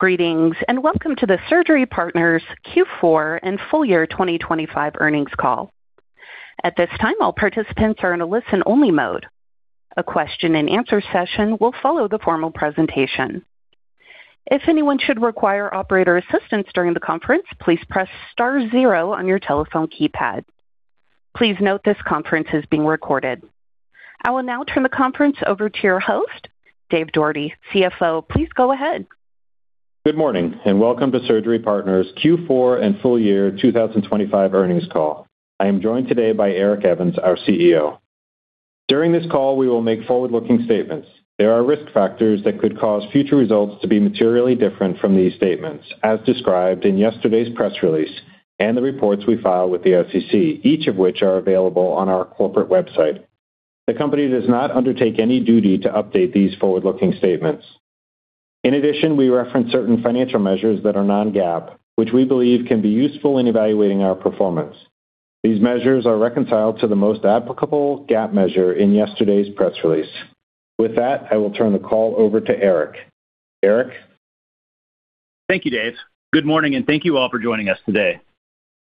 Greetings, Welcome to the Surgery Partners Q4 and Full Year 2025 Earnings Call. At this time, all participants are in a listen-only mode. A question-and-answer session will follow the formal presentation. If anyone should require operator assistance during the conference, please press star zero on your telephone keypad. Please note this conference is being recorded. I will now turn the conference over to your host, Dave Doherty, CFO. Please go ahead. Good morning, welcome to Surgery Partners Q4 and full year 2025 earnings call. I am joined today by Eric Evans, our CEO. During this call, we will make forward-looking statements. There are risk factors that could cause future results to be materially different from these statements, as described in yesterday's press release and the reports we file with the SEC, each of which are available on our corporate website. The company does not undertake any duty to update these forward-looking statements. In addition, we reference certain financial measures that are non-GAAP, which we believe can be useful in evaluating our performance. These measures are reconciled to the most applicable GAAP measure in yesterday's press release. With that, I will turn the call over to Eric. Eric? Thank you, Dave. Good morning, and thank you all for joining us today.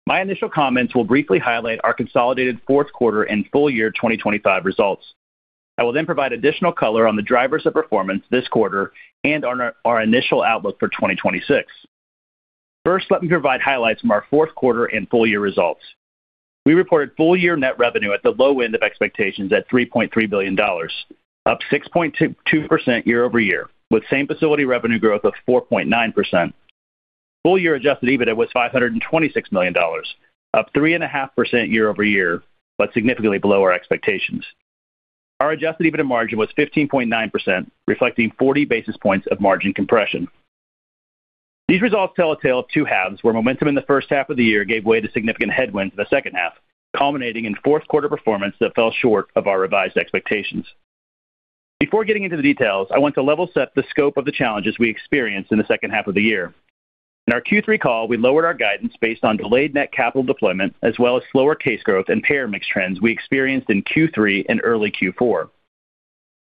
My initial comments will briefly highlight our consolidated fourth quarter and full year 2025 results. I will provide additional color on the drivers of performance this quarter and on our initial outlook for 2026. First, let me provide highlights from our fourth quarter and full year results. We reported full year net revenue at the low end of expectations at $3.3 billion, up 6.2% year-over-year, with same facility revenue growth of 4.9%. Full year Adjusted EBITDA was $526 million, up 3.5% year-over-year, significantly below our expectations. Our Adjusted EBITDA margin was 15.9%, reflecting 40 basis points of margin compression. These results tell a tale of two halves, where momentum in the first half of the year gave way to significant headwinds in the second half, culminating in fourth quarter performance that fell short of our revised expectations. Before getting into the details, I want to level set the scope of the challenges we experienced in the second half of the year. In our Q3 call, we lowered our guidance based on delayed net capital deployment, as well as slower case growth and payer mix trends we experienced in Q3 and early Q4.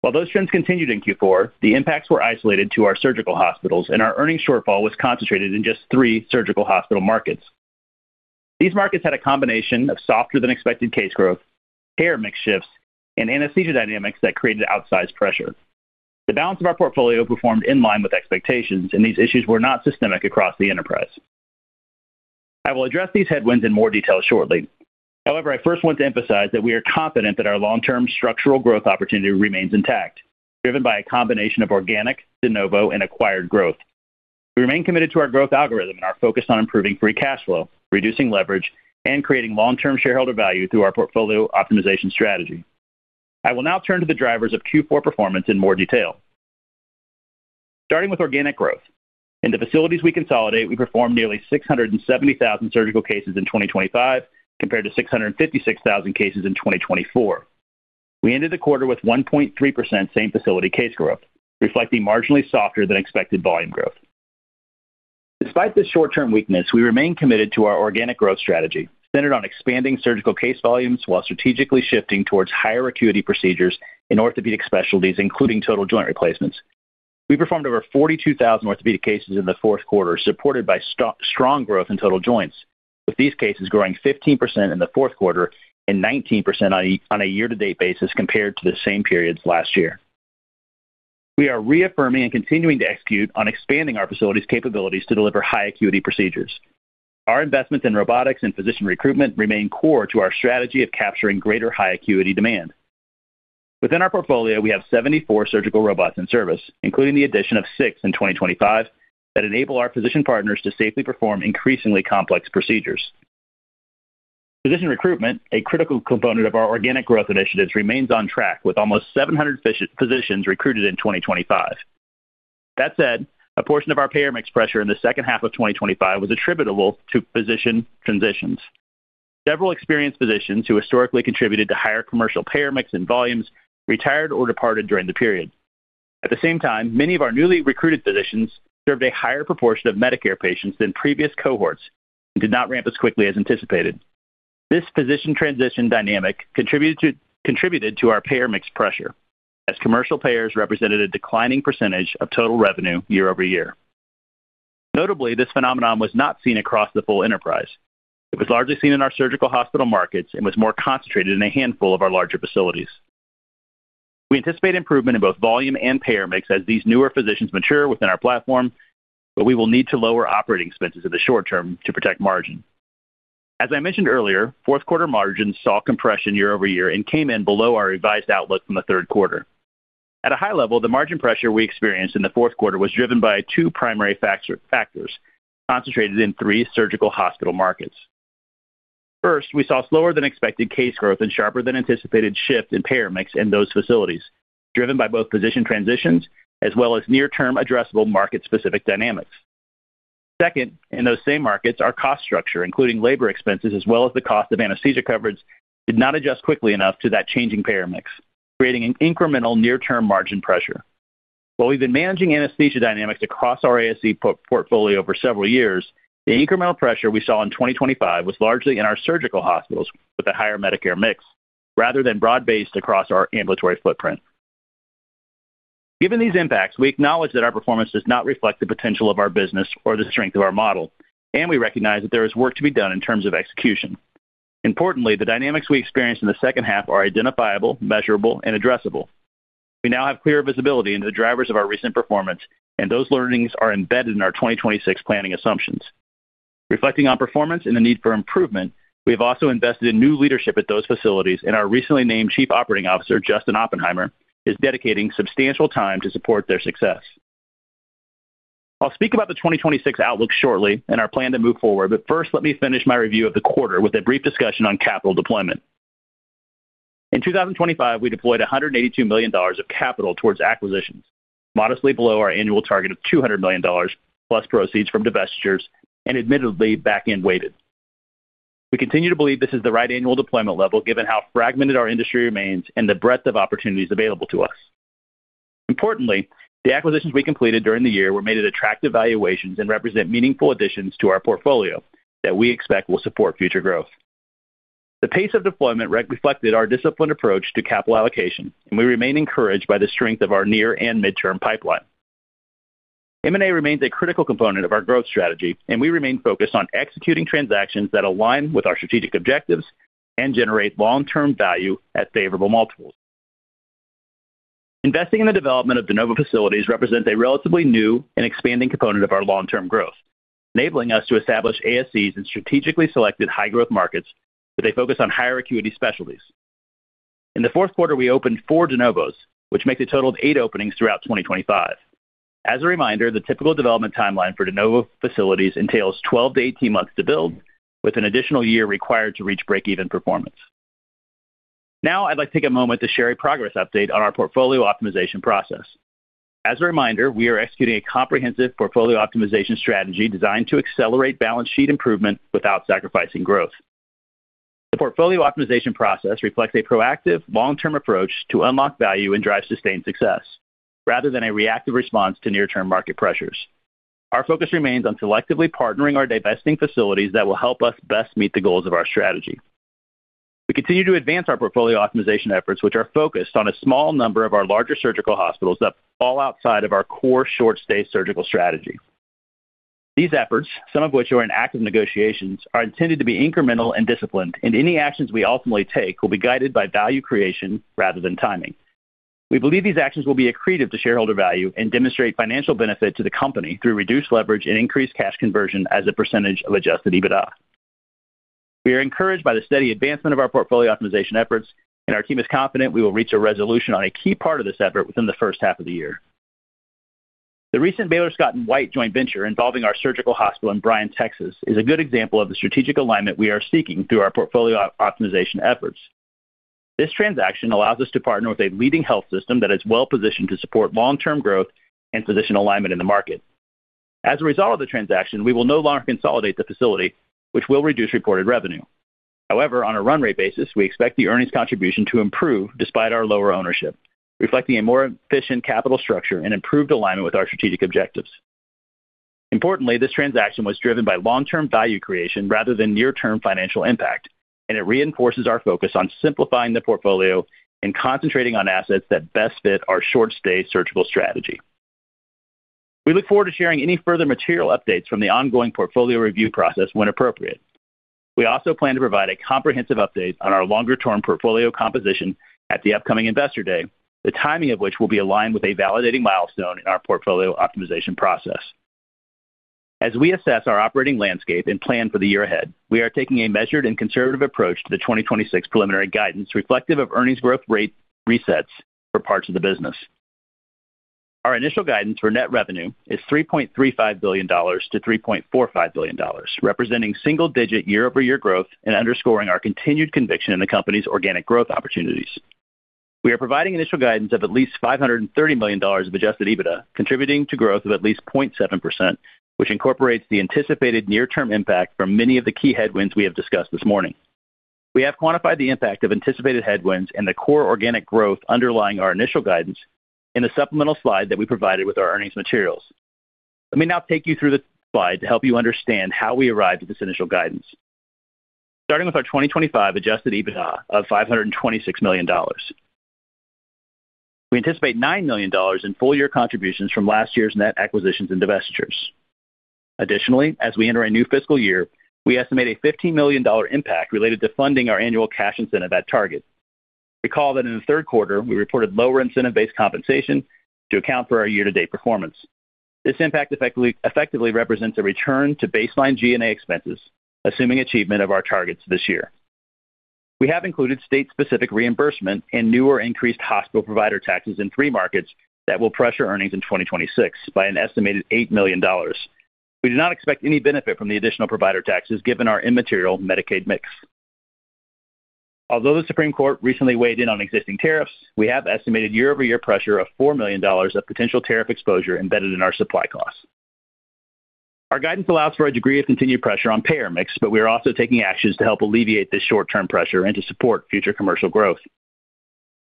While those trends continued in Q4, the impacts were isolated to our surgical hospitals, and our earnings shortfall was concentrated in just three surgical hospital markets. These markets had a combination of softer than expected case growth, payer mix shifts, and anesthesia dynamics that created outsized pressure. The balance of our portfolio performed in line with expectations, and these issues were not systemic across the enterprise. I will address these headwinds in more detail shortly. I first want to emphasize that we are confident that our long-term structural growth opportunity remains intact, driven by a combination of organic, de novo, and acquired growth. We remain committed to our growth algorithm and are focused on improving free cash flow, reducing leverage, and creating long-term shareholder value through our portfolio optimization strategy. I will now turn to the drivers of Q4 performance in more detail. Starting with organic growth. In the facilities we consolidate, we performed nearly 670,000 surgical cases in 2025, compared to 656,000 cases in 2024. We ended the quarter with 1.3% same facility case growth, reflecting marginally softer than expected volume growth. Despite this short-term weakness, we remain committed to our organic growth strategy, centered on expanding surgical case volumes while strategically shifting towards higher acuity procedures in orthopedic specialties, including total joint replacements. We performed over 42,000 orthopedic cases in the fourth quarter, supported by strong growth in total joints, with these cases growing 15% in the fourth quarter and 19% on a year-to-date basis compared to the same periods last year. We are reaffirming and continuing to execute on expanding our facilities' capabilities to deliver high acuity procedures. Our investments in robotics and physician recruitment remain core to our strategy of capturing greater high acuity demand. Within our portfolio, we have 74 surgical robots in service, including the addition of six in 2025, that enable our physician partners to safely perform increasingly complex procedures. Physician recruitment, a critical component of our organic growth initiatives, remains on track with almost 700 physicians recruited in 2025. That said, a portion of our payer mix pressure in the second half of 2025 was attributable to physician transitions. Several experienced physicians who historically contributed to higher commercial payer mix and volumes retired or departed during the period. At the same time, many of our newly recruited physicians served a higher proportion of Medicare patients than previous cohorts and did not ramp as quickly as anticipated. This physician transition dynamic contributed to our payer mix pressure, as commercial payers represented a declining percentage of total revenue year-over-year. Notably, this phenomenon was not seen across the full enterprise. It was largely seen in our surgical hospital markets and was more concentrated in a handful of our larger facilities. We anticipate improvement in both volume and payer mix as these newer physicians mature within our platform, but we will need to lower operating expenses in the short term to protect margin. As I mentioned earlier, fourth quarter margins saw compression year-over-year and came in below our revised outlook from the third quarter. At a high level, the margin pressure we experienced in the fourth quarter was driven by two primary factors, concentrated in three surgical hospital markets. First, we saw slower than expected case growth and sharper than anticipated shift in payer mix in those facilities, driven by both physician transitions as well as near-term addressable market specific dynamics. Second, in those same markets, our cost structure, including labor expenses as well as the cost of anesthesia coverage, did not adjust quickly enough to that changing payer mix, creating an incremental near-term margin pressure. While we've been managing anesthesia dynamics across our ASC portfolio for several years, the incremental pressure we saw in 2025 was largely in our surgical hospitals with a higher Medicare mix. Rather than broad-based across our ambulatory footprint. Given these impacts, we acknowledge that our performance does not reflect the potential of our business or the strength of our model, and we recognize that there is work to be done in terms of execution. Importantly, the dynamics we experienced in the second half are identifiable, measurable, and addressable. We now have clear visibility into the drivers of our recent performance, and those learnings are embedded in our 2026 planning assumptions. Reflecting on performance and the need for improvement, we have also invested in new leadership at those facilities and our recently named Chief Operating Officer, Justin Oppenheimer, is dedicating substantial time to support their success. I'll speak about the 2026 outlook shortly and our plan to move forward. First, let me finish my review of the quarter with a brief discussion on capital deployment. In 2025, we deployed $182 million of capital towards acquisitions, modestly below our annual target of $200 million plus proceeds from divestitures and admittedly back-end weighted. We continue to believe this is the right annual deployment level given how fragmented our industry remains and the breadth of opportunities available to us. Importantly, the acquisitions we completed during the year were made at attractive valuations and represent meaningful additions to our portfolio that we expect will support future growth. The pace of deployment reflected our disciplined approach to capital allocation, and we remain encouraged by the strength of our near and midterm pipeline. M&A remains a critical component of our growth strategy. We remain focused on executing transactions that align with our strategic objectives and generate long-term value at favorable multiples. Investing in the development of de novo facilities represents a relatively new and expanding component of our long-term growth, enabling us to establish ASCs in strategically selected high-growth markets with a focus on higher acuity specialties. In the fourth quarter, we opened four de novos, which makes a total of eight openings throughout 2025. As a reminder, the typical development timeline for de novo facilities entails 12-18 months to build, with an additional year required to reach break-even performance. I'd like to take a moment to share a progress update on our portfolio optimization process. As a reminder, we are executing a comprehensive portfolio optimization strategy designed to accelerate balance sheet improvement without sacrificing growth. The portfolio optimization process reflects a proactive long-term approach to unlock value and drive sustained success rather than a reactive response to near-term market pressures. Our focus remains on selectively partnering our divesting facilities that will help us best meet the goals of our strategy. We continue to advance our portfolio optimization efforts, which are focused on a small number of our larger surgical hospitals that fall outside of our core short-stay surgical strategy. These efforts, some of which are in active negotiations, are intended to be incremental and disciplined, and any actions we ultimately take will be guided by value creation rather than timing. We believe these actions will be accretive to shareholder value and demonstrate financial benefit to the company through reduced leverage and increased cash conversion as a percentage of Adjusted EBITDA. We are encouraged by the steady advancement of our portfolio optimization efforts. Our team is confident we will reach a resolution on a key part of this effort within the first half of the year. The recent Baylor Scott & White joint venture involving our surgical hospital in Bryan, Texas, is a good example of the strategic alignment we are seeking through our portfolio optimization efforts. This transaction allows us to partner with a leading health system that is well-positioned to support long-term growth and physician alignment in the market. As a result of the transaction, we will no longer consolidate the facility, which will reduce reported revenue. However, on a run rate basis, we expect the earnings contribution to improve despite our lower ownership, reflecting a more efficient capital structure and improved alignment with our strategic objectives. Importantly, this transaction was driven by long-term value creation rather than near-term financial impact. It reinforces our focus on simplifying the portfolio and concentrating on assets that best fit our short-stay surgical strategy. We look forward to sharing any further material updates from the ongoing portfolio review process when appropriate. We also plan to provide a comprehensive update on our longer-term portfolio composition at the upcoming Investor Day, the timing of which will be aligned with a validating milestone in our portfolio optimization process. As we assess our operating landscape and plan for the year ahead, we are taking a measured and conservative approach to the 2026 preliminary guidance reflective of earnings growth rate resets for parts of the business. Our initial guidance for net revenue is $3.35 billion-$3.45 billion, representing single-digit year-over-year growth and underscoring our continued conviction in the company's organic growth opportunities. We are providing initial guidance of at least $530 million of Adjusted EBITDA, contributing to growth of at least 0.7%, which incorporates the anticipated near-term impact from many of the key headwinds we have discussed this morning. We have quantified the impact of anticipated headwinds and the core organic growth underlying our initial guidance in the supplemental slide that we provided with our earnings materials. Let me now take you through the slide to help you understand how we arrived at this initial guidance. Starting with our 2025 Adjusted EBITDA of $526 million, we anticipate $9 million in full year contributions from last year's net acquisitions and divestitures. Additionally, as we enter a new fiscal year, we estimate a $15 million impact related to funding our annual cash incentive at target. Recall that in the third quarter, we reported lower incentive-based compensation to account for our year-to-date performance. This impact effectively represents a return to baseline G&A expenses, assuming achievement of our targets this year. We have included state-specific reimbursement and new or increased hospital provider taxes in three markets that will pressure earnings in 2026 by an estimated $8 million. We do not expect any benefit from the additional provider taxes given our immaterial Medicaid mix. Although the Supreme Court recently weighed in on existing tariffs, we have estimated year-over-year pressure of $4 million of potential tariff exposure embedded in our supply costs. Our guidance allows for a degree of continued pressure on payer mix, but we are also taking actions to help alleviate this short-term pressure and to support future commercial growth.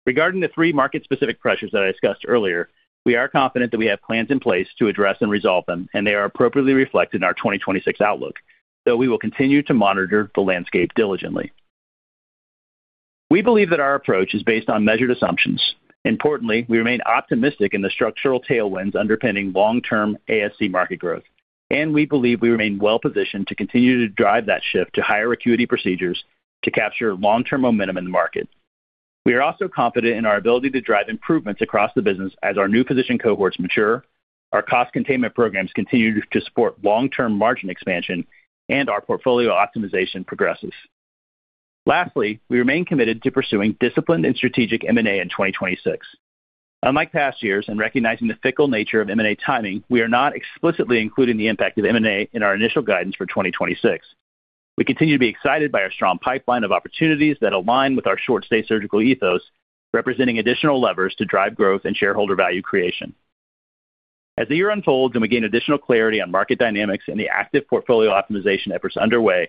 Regarding the three market specific pressures that I discussed earlier, we are confident that we have plans in place to address and resolve them, and they are appropriately reflected in our 2026 outlook, though we will continue to monitor the landscape diligently. We believe that our approach is based on measured assumptions. Importantly, we remain optimistic in the structural tailwinds underpinning long-term ASC market growth, and we believe we remain well-positioned to continue to drive that shift to higher acuity procedures to capture long-term momentum in the market. We are also confident in our ability to drive improvements across the business as our new physician cohorts mature, our cost containment programs continue to support long-term margin expansion, and our portfolio optimization progresses. Lastly, we remain committed to pursuing disciplined and strategic M&A in 2026. Unlike past years, in recognizing the fickle nature of M&A timing, we are not explicitly including the impact of M&A in our initial guidance for 2026. We continue to be excited by our strong pipeline of opportunities that align with our short stay surgical ethos, representing additional levers to drive growth and shareholder value creation. As the year unfolds and we gain additional clarity on market dynamics and the active portfolio optimization efforts underway,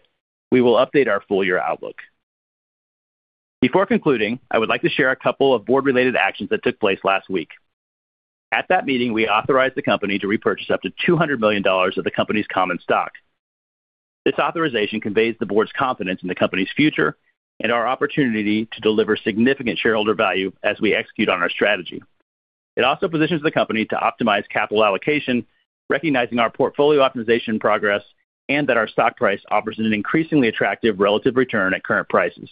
we will update our full year outlook. Before concluding, I would like to share a couple of board related actions that took place last week. At that meeting, we authorized the company to repurchase up to $200 million of the company's common stock. This authorization conveys the board's confidence in the company's future and our opportunity to deliver significant shareholder value as we execute on our strategy. It also positions the company to optimize capital allocation, recognizing our portfolio optimization progress, and that our stock price offers an increasingly attractive relative return at current prices.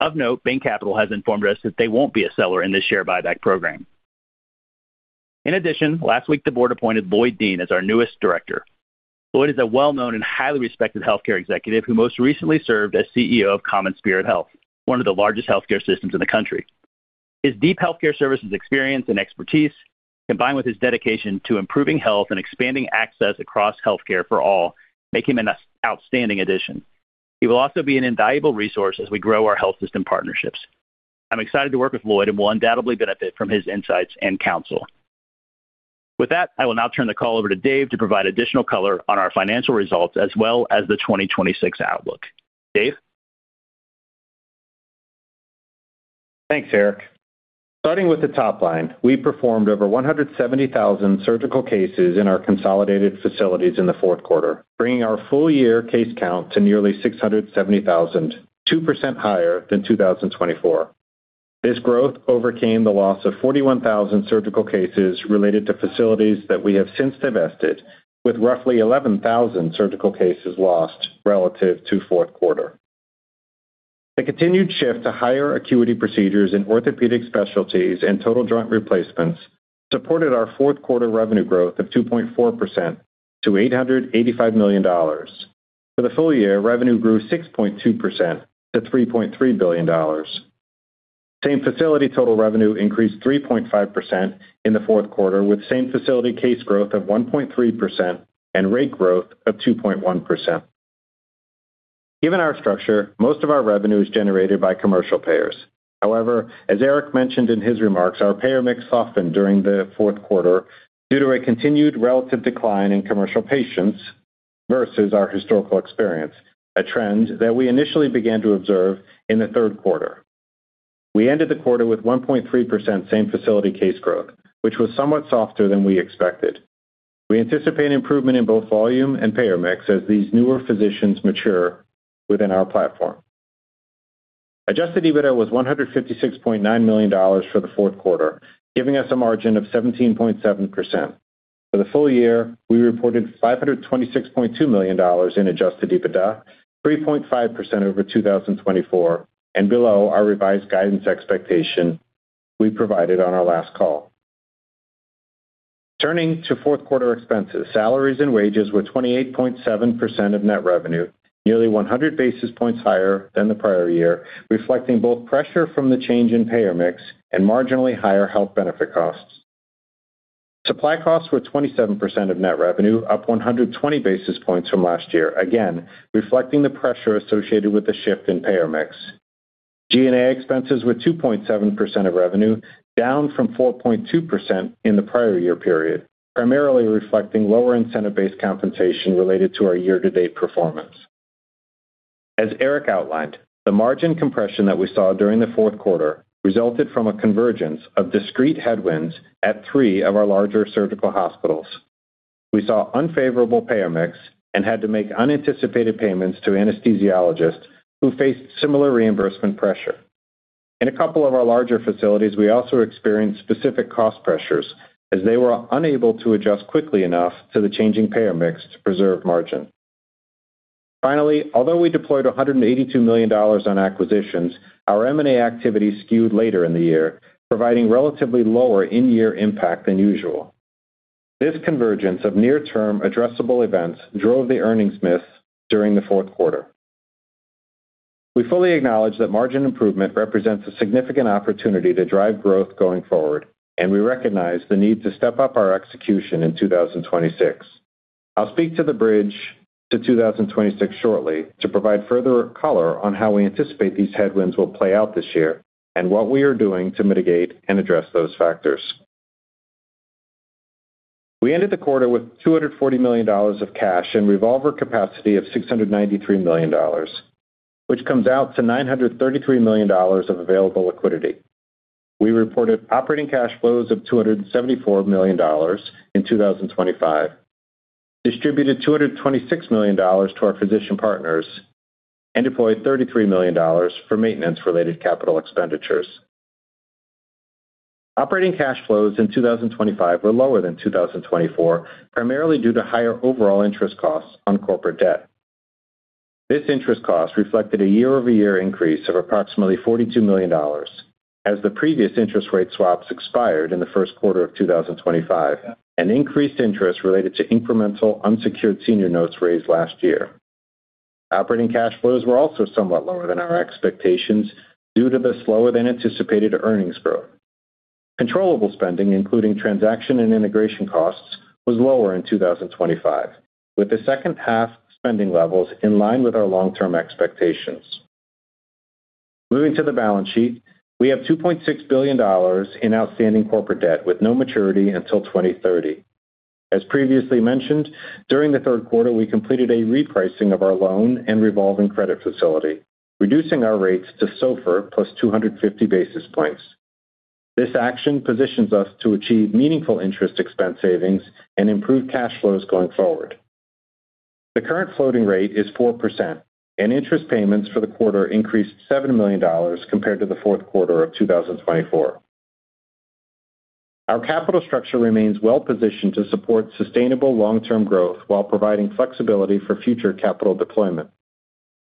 Of note, Bain Capital has informed us that they won't be a seller in this share buyback program. Last week the board appointed Lloyd Dean as our newest director. Lloyd is a well-known and highly respected healthcare executive, who most recently served as CEO of CommonSpirit Health, one of the largest healthcare systems in the country. His deep healthcare services experience and expertise, combined with his dedication to improving health and expanding access across healthcare for all, make him an outstanding addition. He will also be an invaluable resource as we grow our health system partnerships. I'm excited to work with Lloyd, and we'll undoubtedly benefit from his insights and counsel. With that, I will now turn the call over to Dave to provide additional color on our financial results as well as the 2026 outlook. Dave? Thanks, Eric. Starting with the top line, we performed over 170,000 surgical cases in our consolidated facilities in the fourth quarter, bringing our full year case count to nearly 670,000, 2% higher than 2024. This growth overcame the loss of 41,000 surgical cases related to facilities that we have since divested with roughly 11,000 surgical cases lost relative to fourth quarter. The continued shift to higher acuity procedures in orthopedic specialties and total joint replacements supported our fourth quarter revenue growth of 2.4% to $885 million. For the full year, revenue grew 6.2% to $3.3 billion. Same facility total revenue increased 3.5% in the fourth quarter, with same facility case growth of 1.3% and rate growth of 2.1%. Given our structure, most of our revenue is generated by commercial payers. As Eric mentioned in his remarks, our payer mix softened during the fourth quarter due to a continued relative decline in commercial patients versus our historical experience, a trend that we initially began to observe in the third quarter. We ended the quarter with 1.3% same facility case growth, which was somewhat softer than we expected. We anticipate improvement in both volume and payer mix as these newer physicians mature within our platform. Adjusted EBITDA was $156.9 million for the fourth quarter, giving us a margin of 17.7%. For the full year, we reported $526.2 million in Adjusted EBITDA, 3.5% over 2024 and below our revised guidance expectation we provided on our last call. Turning to fourth quarter expenses, salaries and wages were 28.7% of net revenue, nearly 100 basis points higher than the prior year, reflecting both pressure from the change in payer mix and marginally higher health benefit costs. Supply costs were 27% of net revenue, up 120 basis points from last year, again, reflecting the pressure associated with the shift in payer mix. G&A expenses were 2.7% of revenue, down from 4.2% in the prior year period, primarily reflecting lower incentive-based compensation related to our year to date performance. As Eric outlined, the margin compression that we saw during the fourth quarter resulted from a convergence of discrete headwinds at three of our larger surgical hospitals. We saw unfavorable payer mix and had to make unanticipated payments to anesthesiologists who faced similar reimbursement pressure. In a couple of our larger facilities, we also experienced specific cost pressures as they were unable to adjust quickly enough to the changing payer mix to preserve margin. Finally, although we deployed $182 million on acquisitions, our M&A activity skewed later in the year, providing relatively lower in-year impact than usual. This convergence of near-term addressable events drove the earnings miss during the fourth quarter. We fully acknowledge that margin improvement represents a significant opportunity to drive growth going forward, and we recognize the need to step up our execution in 2026. I'll speak to the bridge to 2026 shortly to provide further color on how we anticipate these headwinds will play out this year and what we are doing to mitigate and address those factors. We ended the quarter with $240 million of cash and revolver capacity of $693 million, which comes out to $933 million of available liquidity. We reported operating cash flows of $274 million in 2025, distributed $226 million to our physician partners, and deployed $33 million for maintenance-related capital expenditures. Operating cash flows in 2025 were lower than 2024, primarily due to higher overall interest costs on corporate debt. This interest cost reflected a year-over-year increase of approximately $42 million as the previous interest rate swaps expired in the first quarter of 2025, and increased interest related to incremental unsecured senior notes raised last year. Operating cash flows were also somewhat lower than our expectations due to the slower than anticipated earnings growth. Controllable spending, including transaction and integration costs, was lower in 2025, with the second half spending levels in line with our long-term expectations. Moving to the balance sheet. We have $2.6 billion in outstanding corporate debt with no maturity until 2030. As previously mentioned, during the third quarter, we completed a repricing of our loan and revolving credit facility, reducing our rates to SOFR plus 250 basis points. This action positions us to achieve meaningful interest expense savings and improve cash flows going forward. The current floating rate is 4% and interest payments for the quarter increased $7 million compared to the fourth quarter of 2024. Our capital structure remains well-positioned to support sustainable long-term growth while providing flexibility for future capital deployment.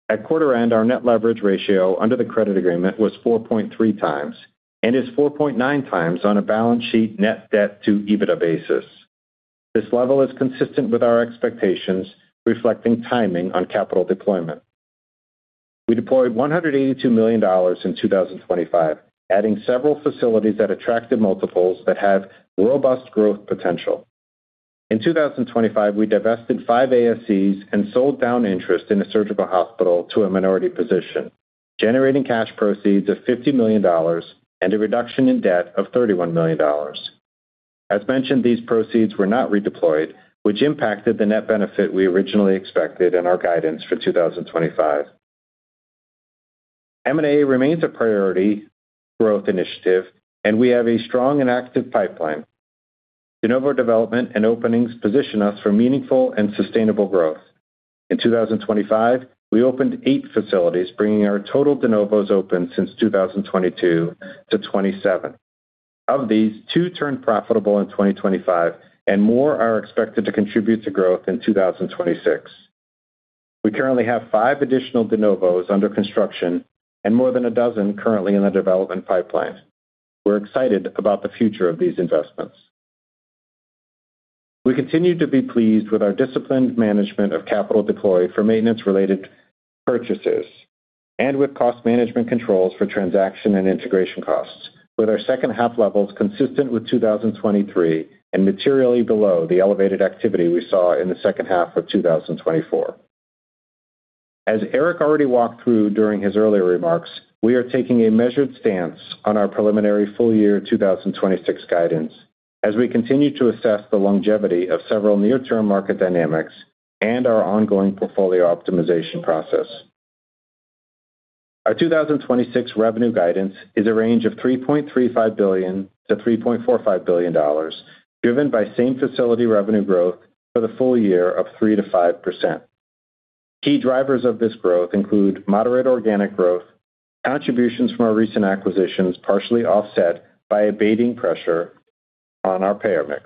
At quarter end, our net leverage ratio under the credit agreement was 4.3x and is 4.9x on a balance sheet net debt to EBITDA basis. This level is consistent with our expectations, reflecting timing on capital deployment. We deployed $182 million in 2025, adding several facilities that attracted multiples that have robust growth potential. In 2025, we divested five ASCs and sold down interest in a surgical hospital to a minority position, generating cash proceeds of $50 million and a reduction in debt of $31 million. As mentioned, these proceeds were not redeployed, which impacted the net benefit we originally expected in our guidance for 2025. M&A remains a priority growth initiative, and we have a strong and active pipeline. de novo development and openings position us for meaningful and sustainable growth. In 2025, we opened eight facilities, bringing our total de novos open since 2022 to 2027. Of these, two turned profitable in 2025, and more are expected to contribute to growth in 2026. We currently have five additional de novos under construction and more than a dozen currently in the development pipeline. We're excited about the future of these investments. We continue to be pleased with our disciplined management of capital deployed for maintenance-related purchases and with cost management controls for transaction and integration costs, with our second half levels consistent with 2023 and materially below the elevated activity we saw in the second half of 2024. As Eric already walked through during his earlier remarks, we are taking a measured stance on our preliminary full year 2026 guidance as we continue to assess the longevity of several near-term market dynamics and our ongoing portfolio optimization process. Our 2026 revenue guidance is a range of $3.35 billion-$3.45 billion, driven by same-facility revenue growth for the full year of 3%-5%. Key drivers of this growth include moderate organic growth, contributions from our recent acquisitions, partially offset by abating pressure on our payer mix.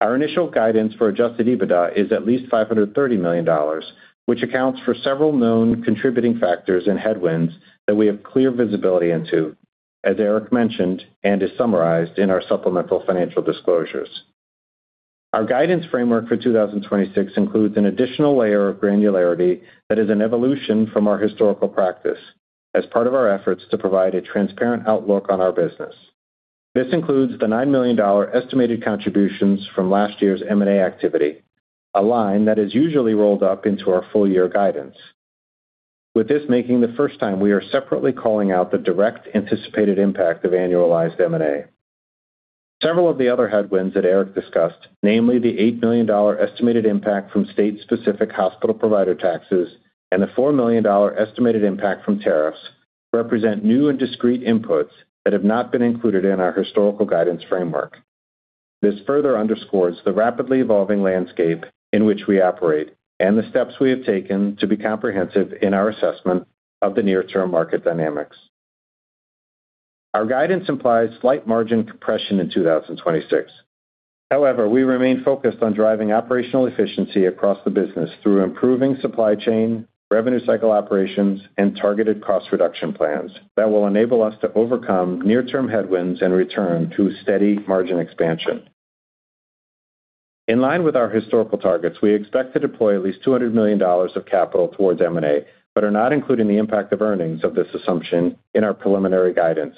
Our initial guidance for Adjusted EBITDA is at least $530 million, which accounts for several known contributing factors and headwinds that we have clear visibility into, as Eric mentioned, and is summarized in our supplemental financial disclosures. Our guidance framework for 2026 includes an additional layer of granularity that is an evolution from our historical practice as part of our efforts to provide a transparent outlook on our business. This includes the $9 million estimated contributions from last year's M&A activity, a line that is usually rolled up into our full year guidance. With this making the first time we are separately calling out the direct anticipated impact of annualized M&A. Several of the other headwinds that Eric discussed, namely the $8 million estimated impact from state-specific hospital provider taxes and the $4 million estimated impact from tariffs, represent new and discrete inputs that have not been included in our historical guidance framework. This further underscores the rapidly evolving landscape in which we operate and the steps we have taken to be comprehensive in our assessment of the near-term market dynamics. Our guidance implies slight margin compression in 2026. We remain focused on driving operational efficiency across the business through improving supply chain, revenue cycle operations, and targeted cost reduction plans that will enable us to overcome near-term headwinds and return to steady margin expansion. In line with our historical targets, we expect to deploy at least $200 million of capital towards M&A, but are not including the impact of earnings of this assumption in our preliminary guidance.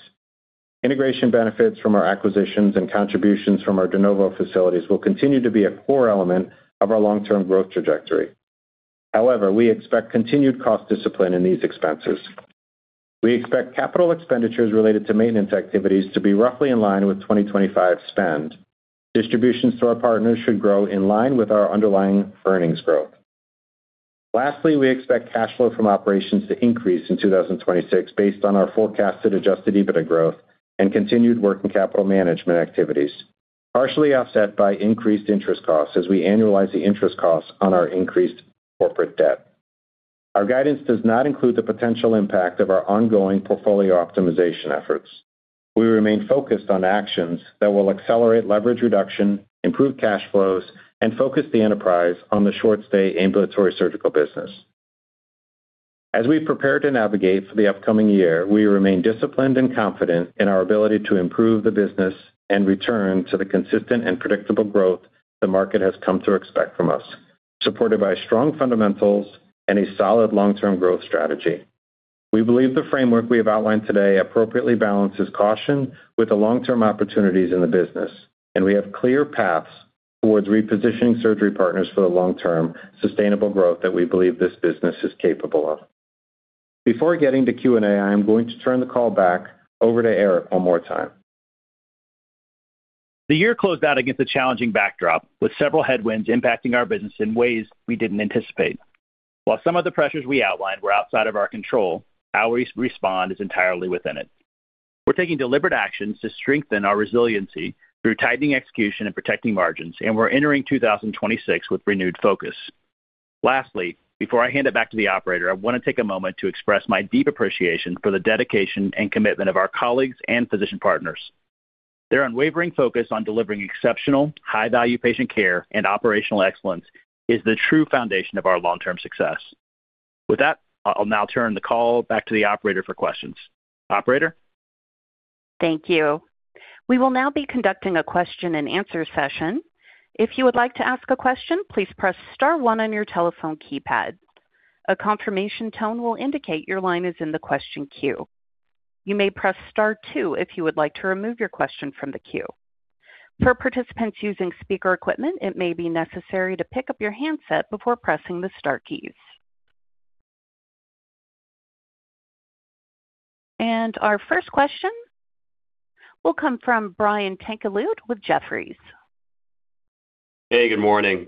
Integration benefits from our acquisitions and contributions from our de novo facilities will continue to be a core element of our long-term growth trajectory. However, we expect continued cost discipline in these expenses. We expect capital expenditures related to maintenance activities to be roughly in line with 2025 spend. Distribution store partners should grow in line with our underlying earnings growth. Lastly, we expect cash flow from operations to increase in 2026 based on our forecasted Adjusted EBITDA growth and continued working capital management activities, partially offset by increased interest costs as we annualize the interest costs on our increased corporate debt. Our guidance does not include the potential impact of our ongoing portfolio optimization efforts. We remain focused on actions that will accelerate leverage reduction, improve cash flows, and focus the enterprise on the short stay ambulatory surgical business. As we prepare to navigate for the upcoming year, we remain disciplined and confident in our ability to improve the business and return to the consistent and predictable growth the market has come to expect from us, supported by strong fundamentals and a solid long-term growth strategy. We believe the framework we have outlined today appropriately balances caution with the long-term opportunities in the business, and we have clear paths towards repositioning Surgery Partners for the long term, sustainable growth that we believe this business is capable of. Before getting to Q&A, I am going to turn the call back over to Eric one more time. The year closed out against a challenging backdrop, with several headwinds impacting our business in ways we didn't anticipate. While some of the pressures we outlined were outside of our control, how we respond is entirely within it. We're taking deliberate actions to strengthen our resiliency through tightening execution and protecting margins, and we're entering 2026 with renewed focus. Lastly, before I hand it back to the operator, I want to take a moment to express my deep appreciation for the dedication and commitment of our colleagues and physician partners. Their unwavering focus on delivering exceptional, high-value patient care and operational excellence is the true foundation of our long-term success. With that, I'll now turn the call back to the operator for questions. Operator? Thank you. We will now be conducting a question-and-answer session. If you would like to ask a question, please press star one on your telephone keypad. A confirmation tone will indicate your line is in the question queue. You may press star two if you would like to remove your question from the queue. For participants using speaker equipment, it may be necessary to pick up your handset before pressing the star keys. Our first question will come from Brian Tanquilut with Jefferies. Hey, good morning.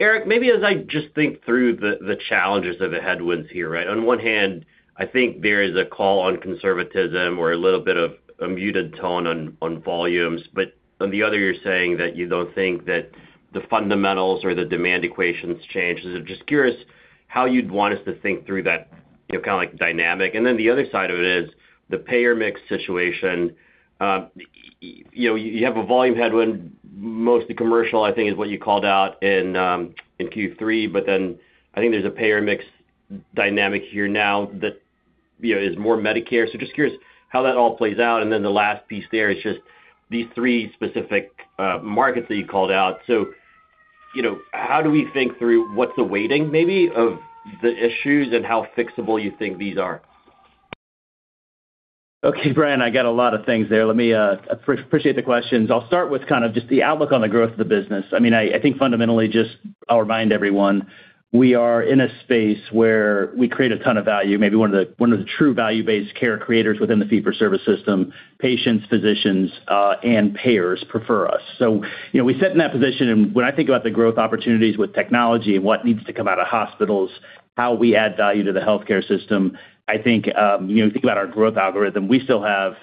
Eric, maybe as I just think through the challenges of the headwinds here, right? On one hand, I think there is a call on conservatism or a little bit of a muted tone on volumes. On the other, you're saying that you don't think that the fundamentals or the demand equations change. Just curious how you'd want us to think through that, you know, kind of like dynamic. The other side of it is the payer mix situation. You know, you have a volume headwind, mostly commercial, I think, is what you called out in Q3. I think there's a payer mix dynamic here now that, you know, is more Medicare. Just curious how that all plays out. The last piece there is just these three specific markets that you called out. You know, how do we think through what's the weighting maybe of the issues and how fixable you think these are? Okay, Brian, I got a lot of things there. Let me appreciate the questions. I'll start with kind of just the outlook on the growth of the business. I mean, I think fundamentally, just I'll remind everyone, we are in a space where we create a ton of value, maybe one of the true value-based care creators within the fee-for-service system. Patients, physicians, and payers prefer us. You know, we sit in that position, and when I think about the growth opportunities with technology and what needs to come out of hospitals, how we add value to the healthcare system, I think, you know, think about our growth algorithm. We still have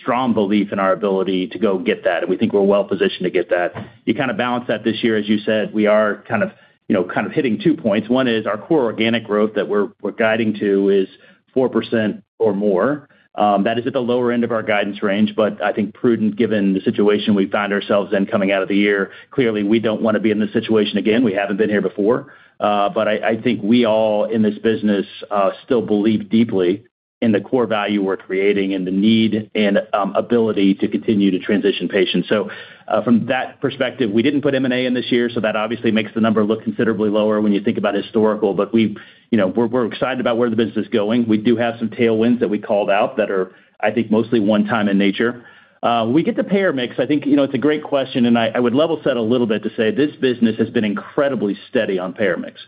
strong belief in our ability to go get that, and we think we're well positioned to get that. You kind of balance that this year. As you said, we are kind of, you know, hitting two points. One is our core organic growth that we're guiding to is 4% or more. That is at the lower end of our guidance range, but I think prudent given the situation we found ourselves in coming out of the year. Clearly, we don't want to be in this situation again. We haven't been here before. I think we all in this business still believe deeply in the core value we're creating and the need and ability to continue to transition patients. From that perspective, we didn't put M&A in this year, so that obviously makes the number look considerably lower when you think about historical. We've, you know, we're excited about where the business is going. We do have some tailwinds that we called out that are, I think, mostly one time in nature. When we get to payer mix, I think, you know, it's a great question, and I would level set a little bit to say this business has been incredibly steady on payer mix.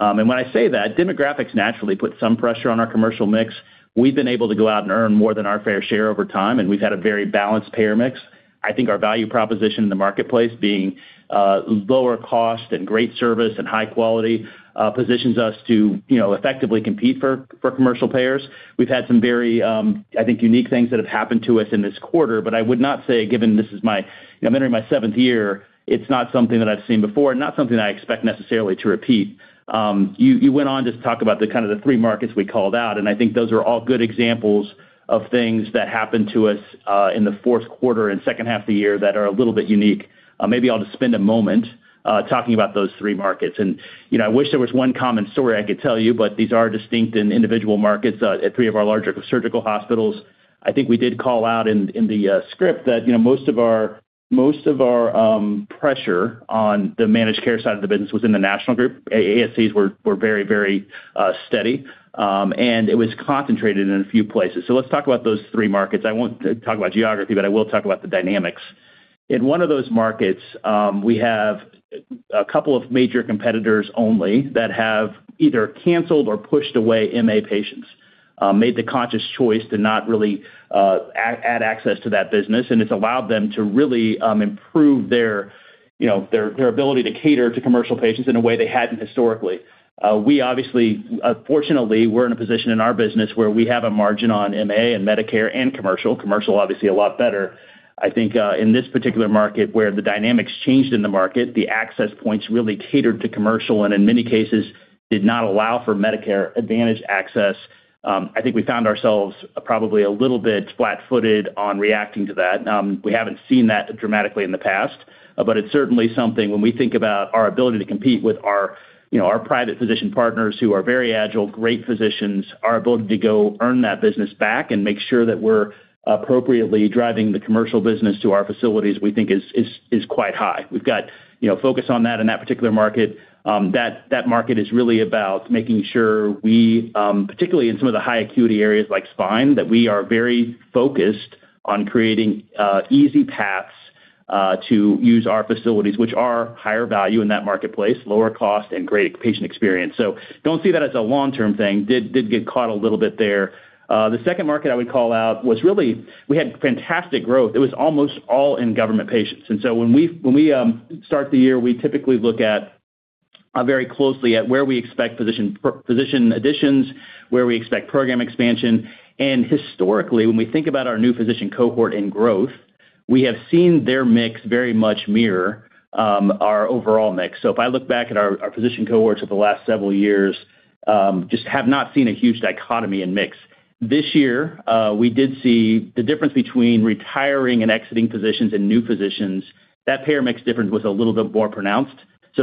When I say that, demographics naturally put some pressure on our commercial mix. We've been able to go out and earn more than our fair share over time, and we've had a very balanced payer mix. I think our value proposition in the marketplace being, lower cost and great service and high quality, positions us to, you know, effectively compete for commercial payers. We've had some very, I think, unique things that have happened to us in this quarter. I would not say, given this is my, you know, I'm entering my seventh year, it's not something that I've seen before, and not something I expect necessarily to repeat. You, you went on just to talk about the kind of the three markets we called out, and I think those are all good examples of things that happened to us in the fourth quarter and second half of the year that are a little bit unique. Maybe I'll just spend a moment talking about those three markets. You know, I wish there was one common story I could tell you, but these are distinct and individual markets at three of our larger surgical hospitals. I think we did call out in the script that, you know, most of our pressure on the managed care side of the business was in the National Group. ASCs were very steady, and it was concentrated in a few places. Let's talk about those three markets. I won't talk about geography, but I will talk about the dynamics. In one of those markets, we have a couple of major competitors only that have either canceled or pushed away MA patients, made the conscious choice to not really add access to that business, and it's allowed them to really improve their, you know, their ability to cater to commercial patients in a way they hadn't historically. We obviously, fortunately, we're in a position in our business where we have a margin on MA and Medicare and commercial. Commercial, obviously, a lot better. I think, in this particular market, where the dynamics changed in the market, the access points really catered to commercial and in many cases did not allow for Medicare Advantage access. I think we found ourselves probably a little bit flat-footed on reacting to that. We haven't seen that dramatically in the past, but it's certainly something when we think about our ability to compete with our, you know, our private physician partners who are very agile, great physicians, our ability to go earn that business back and make sure that we're appropriately driving the commercial business to our facilities, we think is quite high. We've got, you know, focus on that in that particular market. That, that market is really about making sure we, particularly in some of the high acuity areas like spine, that we are very focused on creating easy paths to use our facilities, which are higher value in that marketplace, lower cost and great patient experience. Don't see that as a long-term thing. Did get caught a little bit there. The second market I would call out was really, we had fantastic growth. It was almost all in government patients. When we, when we start the year, we typically look at very closely at where we expect position additions, where we expect program expansion. Historically, when we think about our new physician cohort in growth, we have seen their mix very much mirror our overall mix. If I look back at our physician cohorts over the last several years, just have not seen a huge dichotomy in mix. This year, we did see the difference between retiring and exiting physicians and new physicians. That payer mix difference was a little bit more pronounced.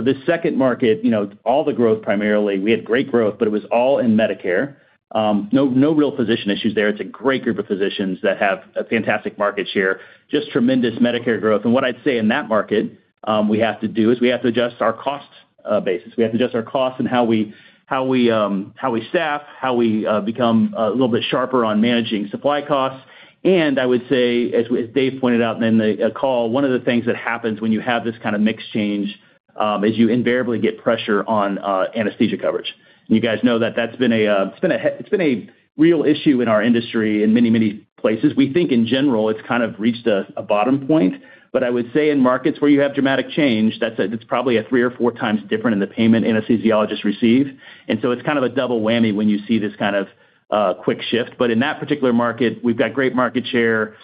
This second market, you know, all the growth primarily, we had great growth, but it was all in Medicare. No, no real physician issues there. It's a great group of physicians that have a fantastic market share, just tremendous Medicare growth. What I'd say in that market, we have to do is we have to adjust our cost basis. We have to adjust our costs and how we, how we, how we staff, how we, become a little bit sharper on managing supply costs. I would say, as Dave pointed out in the call, one of the things that happens when you have this kind of mix change, is you invariably get pressure on anesthesia coverage. You guys know that that's been a real issue in our industry in many, many places. We think in general, it's kind of reached a bottom point. I would say in markets where you have dramatic change, that's a, it's probably a three or 4x different in the payment anesthesiologists receive. It's kind of a double whammy when you see this kind of quick shift. In that particular market, we've got great market share.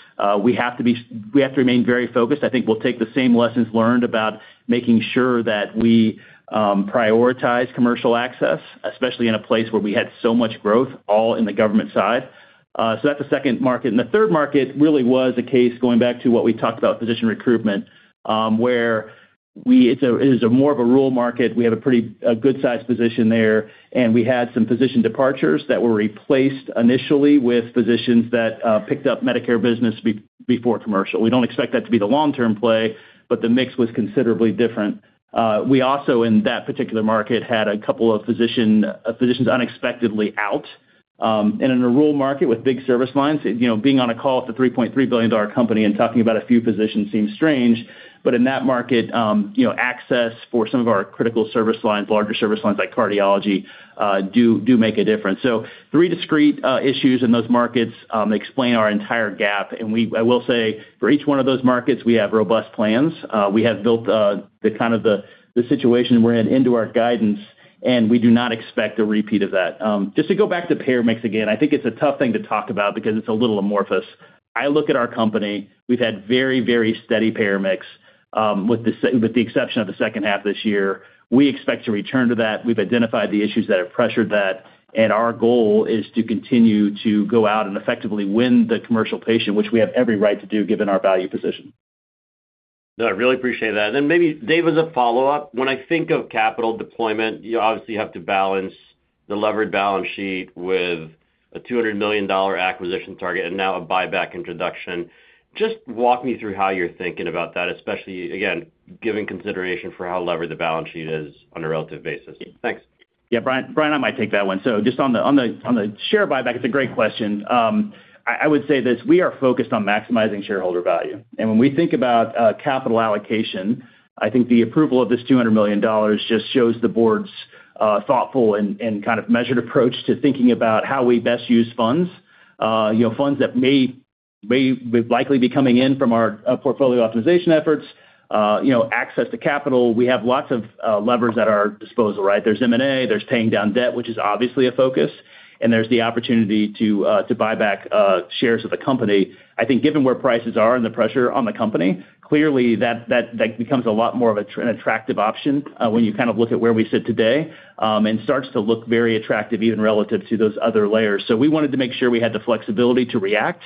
We have to remain very focused. I think we'll take the same lessons learned about making sure that we prioritize commercial access, especially in a place where we had so much growth all in the government side. That's the second market. The third market really was a case going back to what we talked about, physician recruitment, it is a more of a rural market. We have a pretty, a good-sized position there, and we had some physician departures that were replaced initially with physicians that picked up Medicare business before commercial. We don't expect that to be the long-term play, but the mix was considerably different. We also in that particular market had a couple of physicians unexpectedly out, and in a rural market with big service lines. You know, being on a call with a $3.3 billion company and talking about a few physicians seems strange. In that market, you know, access for some of our critical service lines, larger service lines like cardiology, do make a difference. Three discrete issues in those markets explain our entire gap. I will say for each one of those markets, we have robust plans. We have built the kind of the situation we're in into our guidance, we do not expect a repeat of that. Just to go back to payer mix again, I think it's a tough thing to talk about because it's a little amorphous. I look at our company, we've had very, very steady payer mix, with the exception of the second half this year. We expect to return to that. We've identified the issues that have pressured that. Our goal is to continue to go out and effectively win the commercial patient, which we have every right to do given our value position. No, I really appreciate that. Maybe Dave, as a follow-up, when I think of capital deployment, you obviously have to balance the levered balance sheet with a $200 million acquisition target and now a buyback introduction. Just walk me through how you're thinking about that, especially again, giving consideration for how levered the balance sheet is on a relative basis. Thanks. Yeah, Brian, I might take that one. Just on the share buyback, it's a great question. I would say this, we are focused on maximizing shareholder value. When we think about capital allocation, I think the approval of this $200 million just shows the board's thoughtful and kind of measured approach to thinking about how we best use funds. You know, funds that may likely be coming in from our portfolio optimization efforts, you know, access to capital. We have lots of levers at our disposal, right? There's M&A, there's paying down debt, which is obviously a focus, and there's the opportunity to buy back shares of the company. I think given where prices are and the pressure on the company, clearly that becomes a lot more of an attractive option when you kind of look at where we sit today and starts to look very attractive even relative to those other layers. We wanted to make sure we had the flexibility to react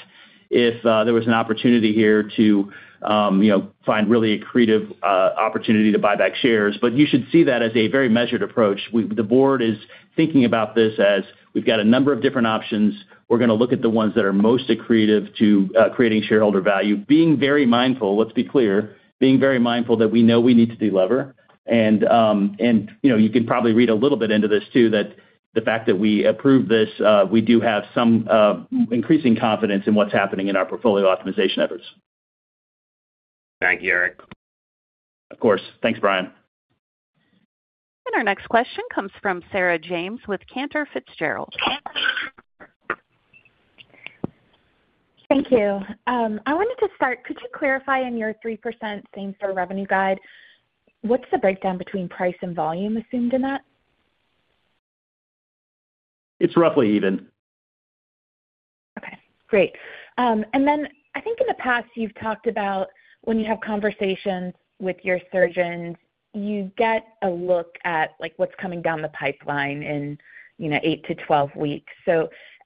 if there was an opportunity here to, you know, find really accretive opportunity to buy back shares. You should see that as a very measured approach. The board is thinking about this as we've got a number of different options. We're gonna look at the ones that are most accretive to creating shareholder value, being very mindful, let's be clear, being very mindful that we know we need to delever. You know, you can probably read a little bit into this too The fact that we approved this, we do have some increasing confidence in what's happening in our portfolio optimization efforts. Thank you, Eric. Of course. Thanks, Brian. Our next question comes from Sarah James with Cantor Fitzgerald. Thank you. I wanted to start, could you clarify in your 3% same-store revenue guide, what's the breakdown between price and volume assumed in that? It's roughly even. Okay, great. I think in the past, you've talked about when you have conversations with your surgeons, you get a look at, like, what's coming down the pipeline in, you know, eight to 12 weeks.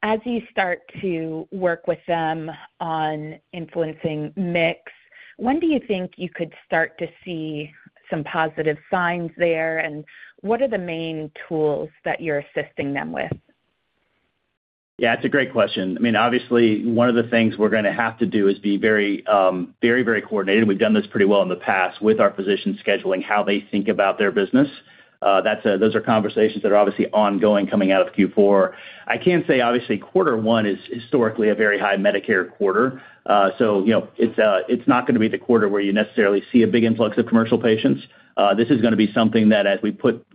As you start to work with them on influencing mix, when do you think you could start to see some positive signs there? What are the main tools that you're assisting them with? Yeah, it's a great question. I mean, obviously one of the things we're gonna have to do is be very, very coordinated. We've done this pretty well in the past with our physician scheduling, how they think about their business. Those are conversations that are obviously ongoing coming out of Q4. I can say obviously quarter one is historically a very high Medicare quarter. You know, it's not gonna be the quarter where you necessarily see a big influx of commercial patients. This is gonna be something that as we put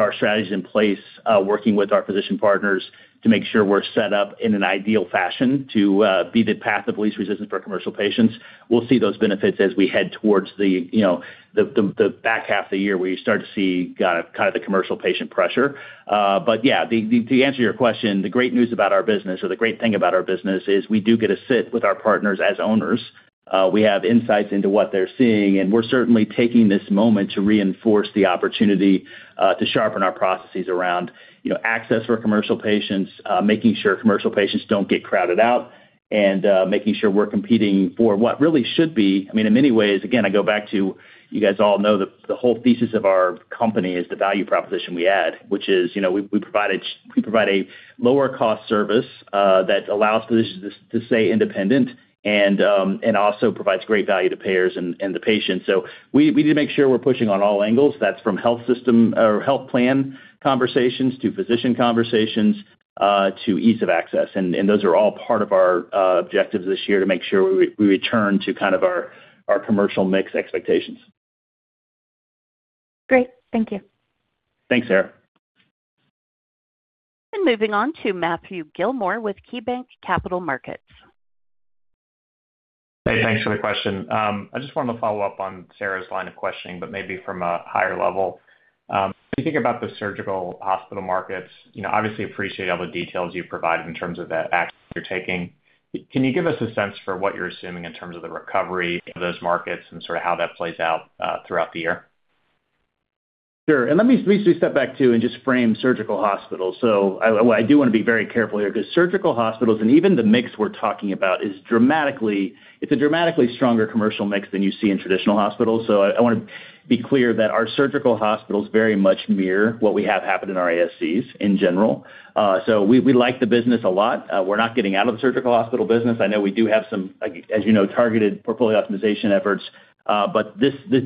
our strategies in place, working with our physician partners to make sure we're set up in an ideal fashion to be the path of least resistance for our commercial patients. We'll see those benefits as we head towards the, you know, the back half of the year where you start to see kind of the commercial patient pressure. Yeah, to answer your question, the great news about our business or the great thing about our business is we do get to sit with our partners as owners. We have insights into what they're seeing, and we're certainly taking this moment to reinforce the opportunity to sharpen our processes around, you know, access for commercial patients, making sure commercial patients don't get crowded out and making sure we're competing for what really should be. I mean, in many ways, again, I go back to you guys all know the whole thesis of our company is the value proposition we add, which is, you know, we provide a lower cost service that allows physicians to stay independent and also provides great value to payers and the patients. We need to make sure we're pushing on all angles. That's from health system or health plan conversations to physician conversations to ease of access. Those are all part of our objectives this year to make sure we return to kind of our commercial mix expectations. Great. Thank you. Thanks, Sarah. Moving on to Matthew Gilmore with KeyBanc Capital Markets. Hey, thanks for the question. I just wanted to follow up on Sarah's line of questioning, but maybe from a higher level. If you think about the surgical hospital markets, you know, obviously appreciate all the details you've provided in terms of the action you're taking. Can you give us a sense for what you're assuming in terms of the recovery of those markets and sort of how that plays out throughout the year? Sure. Let me just step back too and just frame surgical hospitals. I, well, I do wanna be very careful here because surgical hospitals and even the mix we're talking about is dramatically stronger commercial mix than you see in traditional hospitals. I wanna be clear that our surgical hospitals very much mirror what we have happened in our ASCs in general. We, we like the business a lot. We're not getting out of the surgical hospital business. I know we do have some, as you know, targeted portfolio optimization efforts.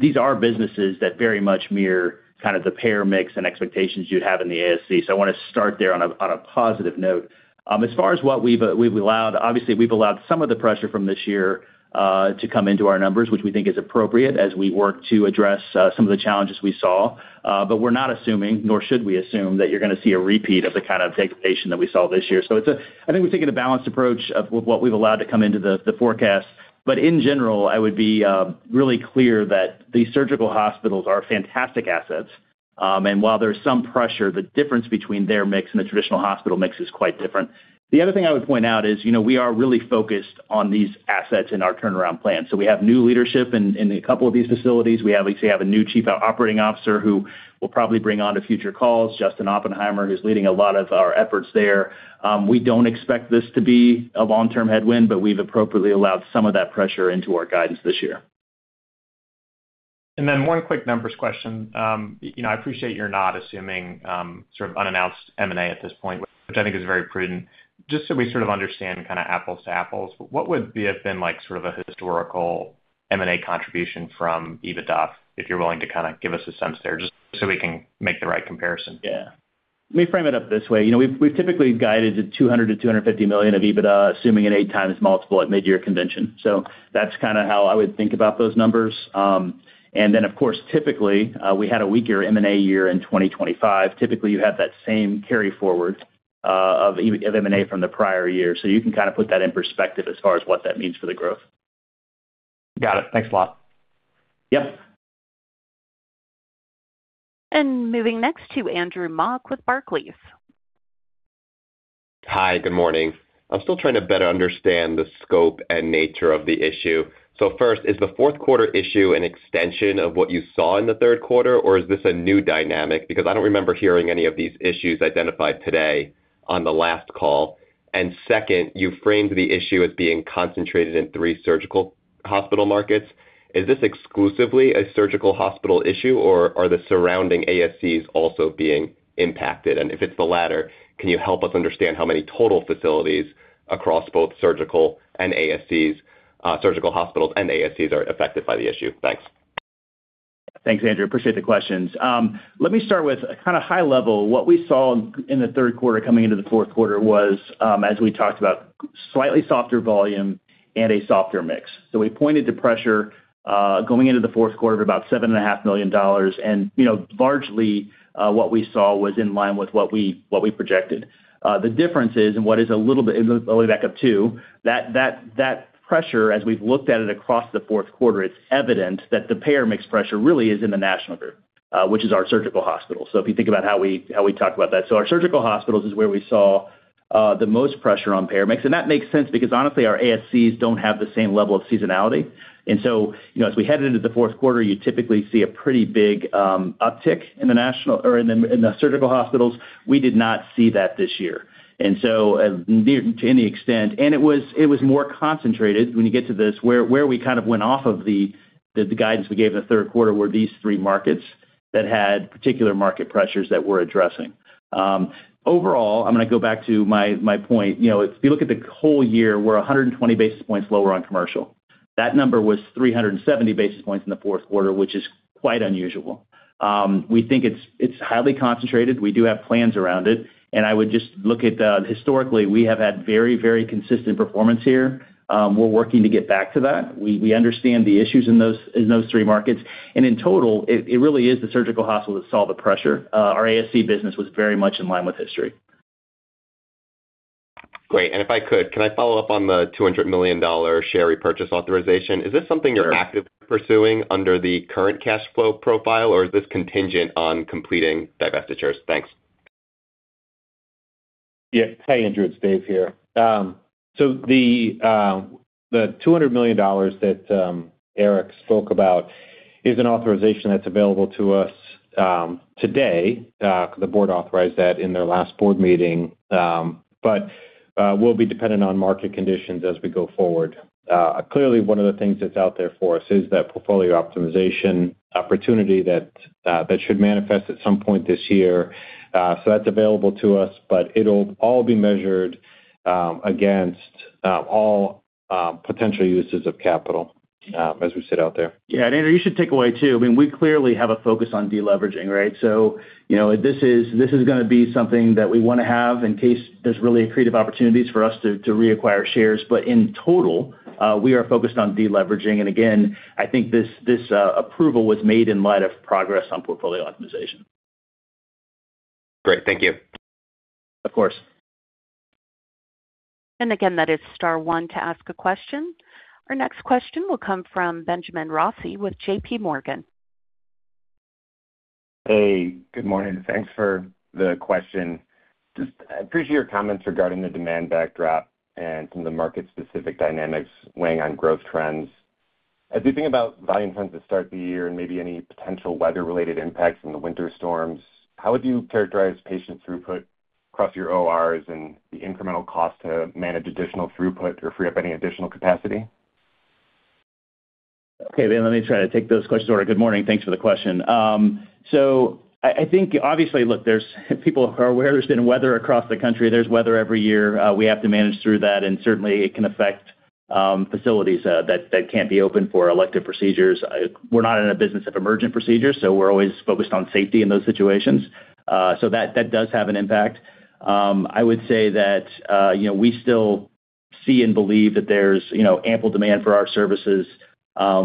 These are businesses that very much mirror kind of the payer mix and expectations you'd have in the ASC. I wanna start there on a positive note. As far as what we've allowed, obviously we've allowed some of the pressure from this year, to come into our numbers, which we think is appropriate as we work to address, some of the challenges we saw. We're not assuming nor should we assume that you're gonna see a repeat of the kind of take patient that we saw this year. I think we're taking a balanced approach of what we've allowed to come into the forecast. In general, I would be, really clear that the surgical hospitals are fantastic assets. While there's some pressure, the difference between their mix and the traditional hospital mix is quite different. The other thing I would point out is, you know, we are really focused on these assets in our turnaround plan. We have new leadership in a couple of these facilities. We actually have a new Chief Operating Officer who we'll probably bring on to future calls, Justin Oppenheimer, who's leading a lot of our efforts there. We don't expect this to be a long-term headwind, but we've appropriately allowed some of that pressure into our guidance this year. One quick numbers question. You know, I appreciate you're not assuming, sort of unannounced M&A at this point, which I think is very prudent. Just so we sort of understand kind of apples to apples, what would have been like sort of a historical M&A contribution from EBITDA, if you're willing to kind of give us a sense there, just so we can make the right comparison? Yeah. Let me frame it up this way. You know, we've typically guided to $200 million-$250 million of EBITDA, assuming an 8x multiple at mid-year convention. That's kinda how I would think about those numbers. Of course, typically, we had a weaker M&A year in 2025. Typically, you have that same carry forward of M&A from the prior year. You can kinda put that in perspective as far as what that means for the growth. Got it. Thanks a lot. Yep. Moving next to Andrew Mok with Barclays. Hi. Good morning. I'm still trying to better understand the scope and nature of the issue. First, is the fourth quarter issue an extension of what you saw in the third quarter, or is this a new dynamic? I don't remember hearing any of these issues identified today on the last call. Second, you framed the issue as being concentrated in three surgical hospital markets. Is this exclusively a surgical hospital issue, or are the surrounding ASCs also being impacted? If it's the latter, can you help us understand how many total facilities across both surgical and ASCs, surgical hospitals and ASCs are affected by the issue? Thanks. Thanks, Andrew. Appreciate the questions. Let me start with a kinda high level. What we saw in the third quarter coming into the fourth quarter was, as we talked about, slightly softer volume and a softer mix. We pointed to pressure going into the fourth quarter of about seven and a half million dollars. You know, largely, what we saw was in line with what we projected. The difference is. Let me back up, too. That pressure, as we've looked at it across the fourth quarter, it's evident that the payer mix pressure really is in the National Group, which is our surgical hospital. If you think about how we talk about that. Our surgical hospitals is where we saw the most pressure on payer mix. That makes sense because honestly, our ASCs don't have the same level of seasonality. You know, as we headed into the fourth quarter, you typically see a pretty big uptick in the National Group or in the surgical hospitals. We did not see that this year. To any extent. It was more concentrated when you get to this, where we kind of went off of the guidance we gave in the third quarter were these three markets that had particular market pressures that we're addressing. Overall, I'm gonna go back to my point. You know, if you look at the whole year, we're 120 basis points lower on commercial. That number was 370 basis points in the fourth quarter, which is quite unusual. We think it's highly concentrated. We do have plans around it, and I would just look at, historically, we have had very consistent performance here. We're working to get back to that. We understand the issues in those three markets. In total, it really is the surgical hospital that saw the pressure. Our ASC business was very much in line with history. Great. If I could, can I follow up on the $200 million share repurchase authorization? Sure. Is this something you're active pursuing under the current cash flow profile, or is this contingent on completing divestitures? Thanks. Yeah. Hey, Andrew, it's Dave here. The $200 million that Eric spoke about is an authorization that's available to us today. The board authorized that in their last board meeting, but will be dependent on market conditions as we go forward. Clearly one of the things that's out there for us is that portfolio optimization opportunity that should manifest at some point this year. That's available to us, but it'll all be measured against all potential uses of capital as we sit out there. Andrew, you should take away too. I mean, we clearly have a focus on deleveraging, right? You know, this is gonna be something that we wanna have in case there's really creative opportunities for us to reacquire shares. In total, we are focused on deleveraging. Again, I think this approval was made in light of progress on portfolio optimization. Great. Thank you. Of course. Again, that is star one to ask a question. Our next question will come from Benjamin Rossi with J.P. Morgan. Hey, good morning. Thanks for the question. Just appreciate your comments regarding the demand backdrop and some of the market-specific dynamics weighing on growth trends. As you think about volume trends to start the year and maybe any potential weather-related impacts from the winter storms, how would you characterize patient throughput across your ORs and the incremental cost to manage additional throughput or free up any additional capacity? Okay. Ben, let me try to take those questions. Good morning. Thanks for the question. I think obviously, look, there's people are aware there's been weather across the country. There's weather every year. We have to manage through that, and certainly it can affect facilities that can't be open for elective procedures. We're not in a business of emergent procedures, we're always focused on safety in those situations. That does have an impact. I would say that, you know, we still see and believe that there's, you know, ample demand for our services.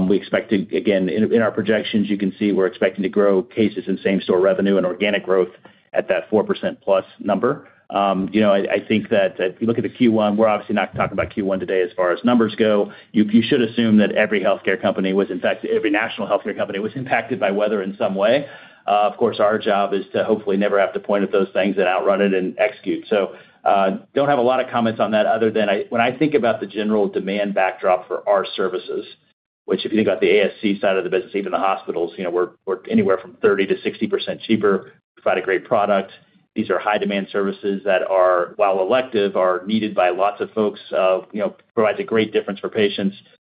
We expect to, again, in our projections, you can see we're expecting to grow cases in same-store revenue and organic growth at that 4%+ number. You know, I think that if you look at the Q1, we're obviously not talking about Q1 today as far as numbers go. You, you should assume that every healthcare company was in fact, every national healthcare company was impacted by weather in some way. Of course, our job is to hopefully never have to point at those things and outrun it and execute. Don't have a lot of comments on that other than when I think about the general demand backdrop for our services, which if you think about the ASC side of the business, even the hospitals, you know, we're anywhere from 30%-60% cheaper. We provide a great product. These are high demand services that are, while elective, are needed by lots of folks, you know, provides a great difference for patients.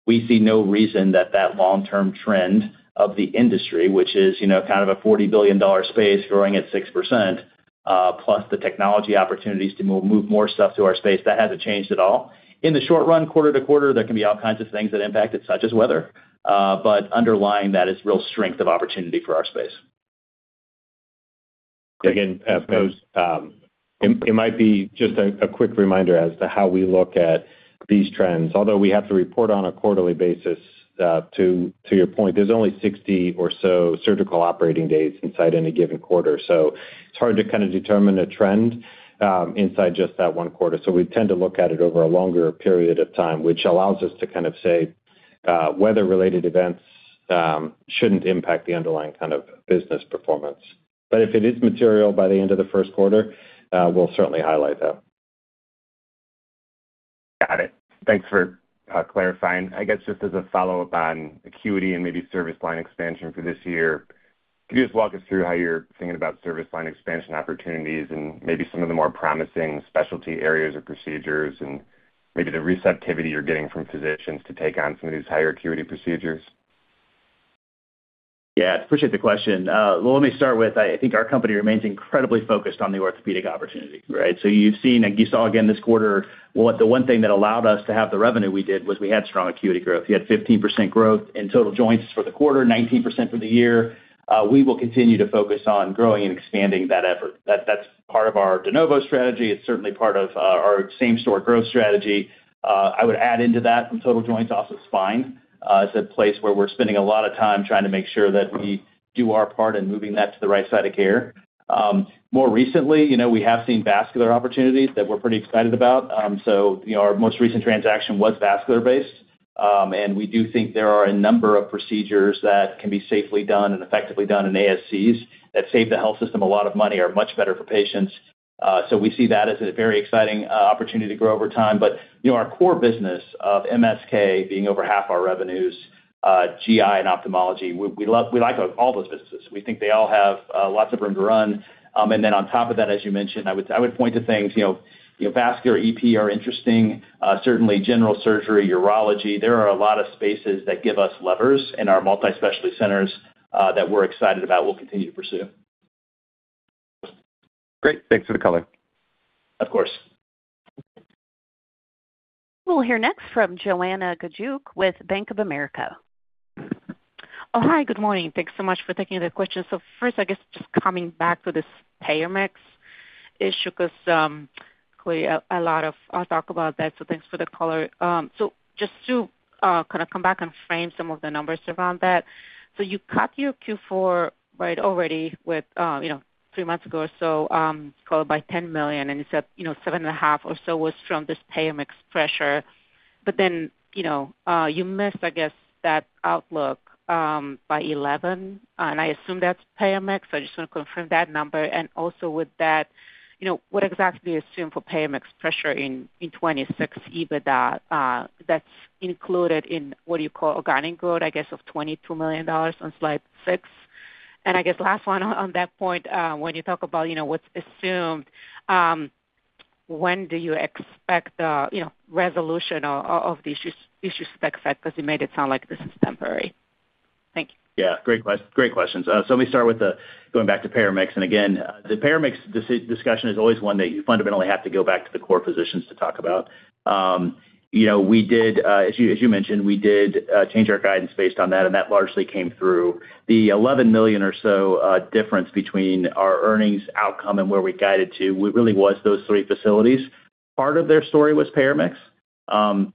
We see no reason that long-term trend of the industry, which is, you know, kind of a $40 billion space growing at 6%, plus the technology opportunities to move more stuff to our space, that hasn't changed at all. In the short run, quarter to quarter, there can be all kinds of things that impact it, such as weather. Underlying that is real strength of opportunity for our space. I suppose, it might be just a quick reminder as to how we look at these trends. We have to report on a quarterly basis, to your point, there's only 60 or so surgical operating days inside any given quarter. It's hard to kinda determine a trend inside just that one quarter. We tend to look at it over a longer period of time, which allows us to kind of say, weather-related events shouldn't impact the underlying kind of business performance. If it is material by the end of the first quarter, we'll certainly highlight that. Got it. Thanks for clarifying. I guess just as a follow-up on acuity and maybe service line expansion for this year, can you just walk us through how you're thinking about service line expansion opportunities and maybe some of the more promising specialty areas or procedures and maybe the receptivity you're getting from physicians to take on some of these higher acuity procedures? Yeah, I appreciate the question. Well, let me start with, I think our company remains incredibly focused on the orthopedic opportunity, right? You've seen, like you saw again this quarter, what the one thing that allowed us to have the revenue we did was we had strong acuity growth. We had 15% growth in total joints for the quarter, 19% for the year. We will continue to focus on growing and expanding that effort. That's part of our de novo strategy. It's certainly part of our same-store growth strategy. I would add into that from total joints, also spine is a place where we're spending a lot of time trying to make sure that we do our part in moving that to the right side of care. More recently, you know, we have seen vascular opportunities that we're pretty excited about. You know, our most recent transaction was vascular-based, and we do think there are a number of procedures that can be safely done and effectively done in ASCs that save the health system a lot of money, are much better for patients. We see that as a very exciting opportunity to grow over time. You know, our core business of MSK being over half our revenues, GI and ophthalmology, we like all those businesses. We think they all have lots of room to run. On top of that, as you mentioned, I would point to things, you know, you know, vascular, EP are interesting. Certainly general surgery, urology. There are a lot of spaces that give us levers in our multi-specialty centers, that we're excited about, we'll continue to pursue. Great. Thanks for the color. Of course. We'll hear next from Joanna Gajuk with Bank of America. Hi, good morning. Thanks so much for taking the question. First, I guess, just coming back to this payer mix issue, 'cause a lot of talk about that, so thanks for the color. Just to kind of come back and frame some of the numbers around that. You cut your Q4, right, already with, you know, three months ago or so, call it by $10 million, and you said, you know, $7.5 or so was from this payer mix pressure. You know, you missed, I guess, that outlook by $11, and I assume that's payer mix. I just wanna confirm that number. Also with that, you know, what exactly you assume for payer mix pressure in 2060, but that's included in what you call organic growth, I guess, of $22 million on slide six. I guess last one on that point, when you talk about, you know, what's assumed, when do you expect, you know, resolution of the issues to be fixed? Because you made it sound like this is temporary. Thank you. Yeah. Great questions. Let me start with going back to payer mix. Again, the payer mix discussion is always one that you fundamentally have to go back to the core physicians to talk about. You know, we did, as you mentioned, we did change our guidance based on that largely came through. The $11 million or so difference between our earnings outcome and where we guided to, it really was those three facilities. Part of their story was payer mix. In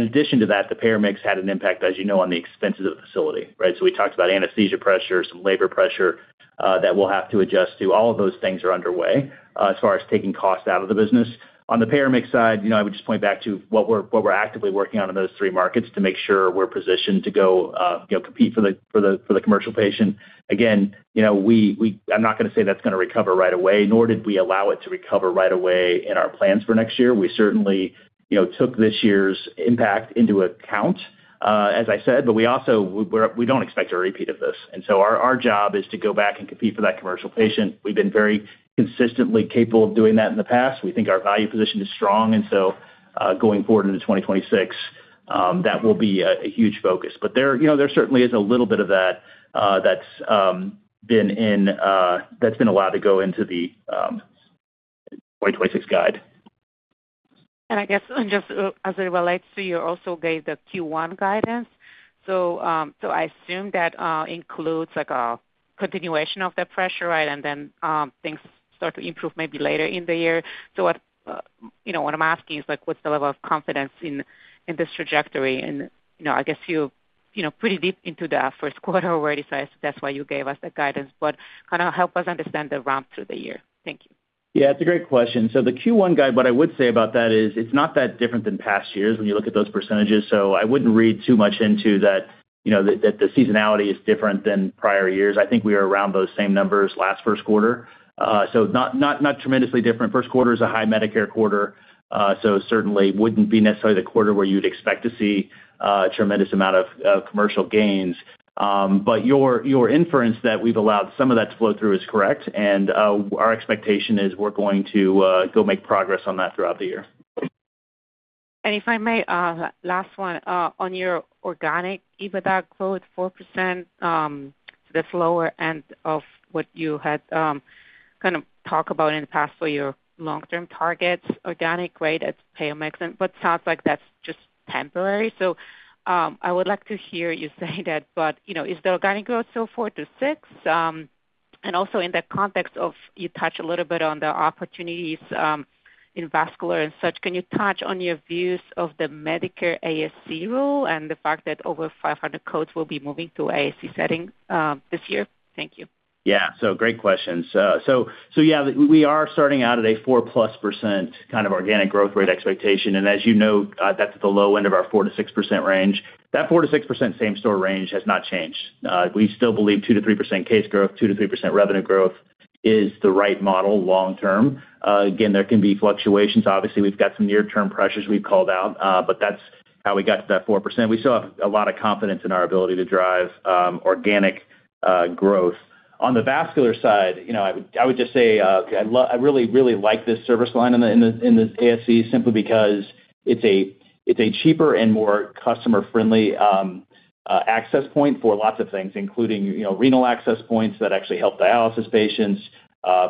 addition to that, the payer mix had an impact, as you know, on the expenses of the facility, right? We talked about anesthesia pressure, some labor pressure that we'll have to adjust to. All of those things are underway as far as taking cost out of the business. On the payer mix side, you know, I would just point back to what we're, what we're actively working on in those three markets to make sure we're positioned to go, you know, compete for the, for the, for the commercial patient. Again, you know, I'm not gonna say that's gonna recover right away, nor did we allow it to recover right away in our plans for next year. We certainly, you know, took this year's impact into account, as I said, but we don't expect a repeat of this. Our, our job is to go back and compete for that commercial patient. We've been very consistently capable of doing that in the past. We think our value position is strong, going forward into 2026, that will be a huge focus. There, you know, there certainly is a little bit of that's been allowed to go into the 2026 guide. I guess, and just as it relates to, you also gave the Q1 guidance. So I assume that includes, like, a continuation of that pressure, right? Then, things start to improve maybe later in the year. What, you know, what I'm asking is like, what's the level of confidence in this trajectory? You know, I guess you're, you know, pretty deep into the first quarter already, so I guess that's why you gave us the guidance. Kinda help us understand the ramp through the year. Thank you. Yeah, it's a great question. The Q1 guide, what I would say about that is it's not that different than past years when you look at those percentages. I wouldn't read too much into that, you know, that the seasonality is different than prior years. I think we are around those same numbers last first quarter. Not tremendously different. First quarter is a high Medicare quarter, so certainly wouldn't be necessarily the quarter where you'd expect to see a tremendous amount of commercial gains. Your inference that we've allowed some of that to flow through is correct. Our expectation is we're going to go make progress on that throughout the year. If I may, last one, on your organic EBITDA growth, 4%, the lower end of what you had kinda talk about in the past for your long-term targets, organic rate as payer mix and what sounds like that's just temporary. I would like to hear you say that, but, you know, is the organic growth still 4%-6%? Also, in the context of you touch a little bit on the opportunities in vascular and such, can you touch on your views of the Medicare ASC rule and the fact that over 500 codes will be moving to ASC setting this year? Thank you. Yeah. Great questions. Yeah, we are starting out at a 4%+ kind of organic growth rate expectation. As you know, that's at the low end of our 4%-6% range. That 4%-6% same store range has not changed. We still believe 2%-3% case growth, 2%-3% revenue growth is the right model long term. Again, there can be fluctuations. Obviously, we've got some near term pressures we've called out, but that's how we got to that 4%. We still have a lot of confidence in our ability to drive organic growth. On the vascular side, you know, I would just say, I really like this service line in the ASC simply because it's a cheaper and more customer-friendly access point for lots of things, including, you know, renal access points that actually help dialysis patients,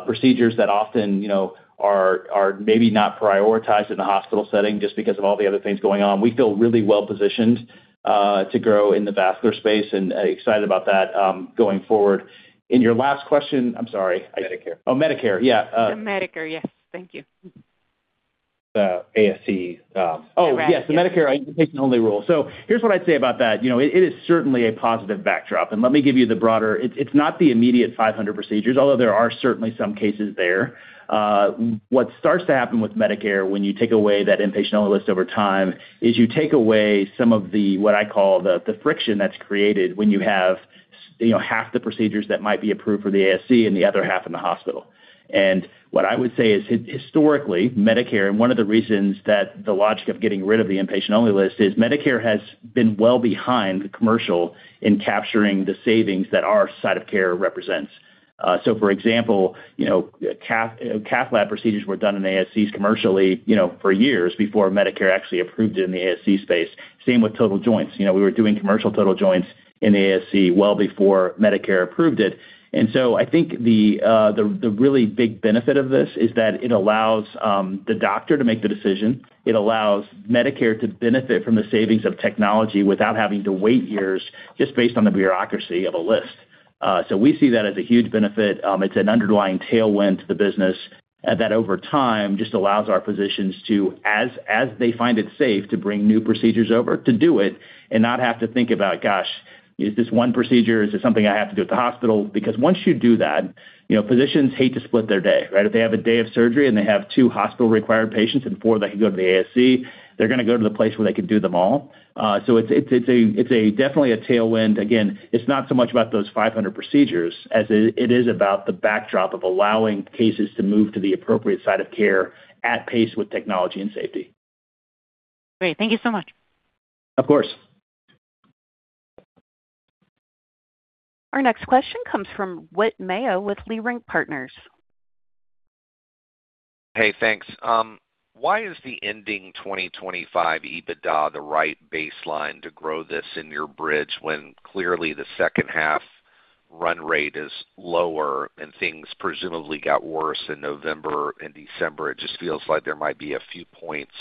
procedures that often, you know, are maybe not prioritized in a hospital setting just because of all the other things going on. We feel really well-positioned to grow in the vascular space and excited about that going forward. In your last question, I'm sorry. Medicare. Oh, Medicare. Yeah. The Medicare. Yes, thank you. The ASC. Correct, yes. Oh, yes, the Medicare inpatient-only rule. Here's what I'd say about that. You know, it is certainly a positive backdrop, and let me give you the broader. It's not the immediate 500 procedures, although there are certainly some cases there. What starts to happen with Medicare when you take away that inpatient-only list over time is you take away some of the, what I call the friction that's created when you have you know, half the procedures that might be approved for the ASC and the other half in the hospital. What I would say is historically, Medicare, and one of the reasons that the logic of getting rid of the inpatient-only list, is Medicare has been well behind the commercial in capturing the savings that our site of care represents. For example, you know, cath lab procedures were done in ASCs commercially, you know, for years before Medicare actually approved it in the ASC space. Same with total joints. You know, we were doing commercial total joints in ASC well before Medicare approved it. I think the really big benefit of this is that it allows the doctor to make the decision. It allows Medicare to benefit from the savings of technology without having to wait years just based on the bureaucracy of a list. We see that as a huge benefit. It's an underlying tailwind to the business that over time just allows our physicians to, as they find it safe, to bring new procedures over to do it and not have to think about, gosh, is this one procedure, is this something I have to do at the hospital? Once you do that, you know, physicians hate to split their day, right? If they have a day of surgery and they have two hospital-required patients and four that can go to the ASC, they're gonna go to the place where they can do them all. It's, it's a, it's a definitely a tailwind. Again, it's not so much about those 500 procedures as it is about the backdrop of allowing cases to move to the appropriate site of care at pace with technology and safety. Great. Thank you so much. Of course. Our next question comes from Whit Mayo with Leerink Partners. Hey, thanks. Why is the ending 2025 EBITDA the right baseline to grow this in your bridge when clearly the second half run rate is lower and things presumably got worse in November and December? It just feels like there might be a few points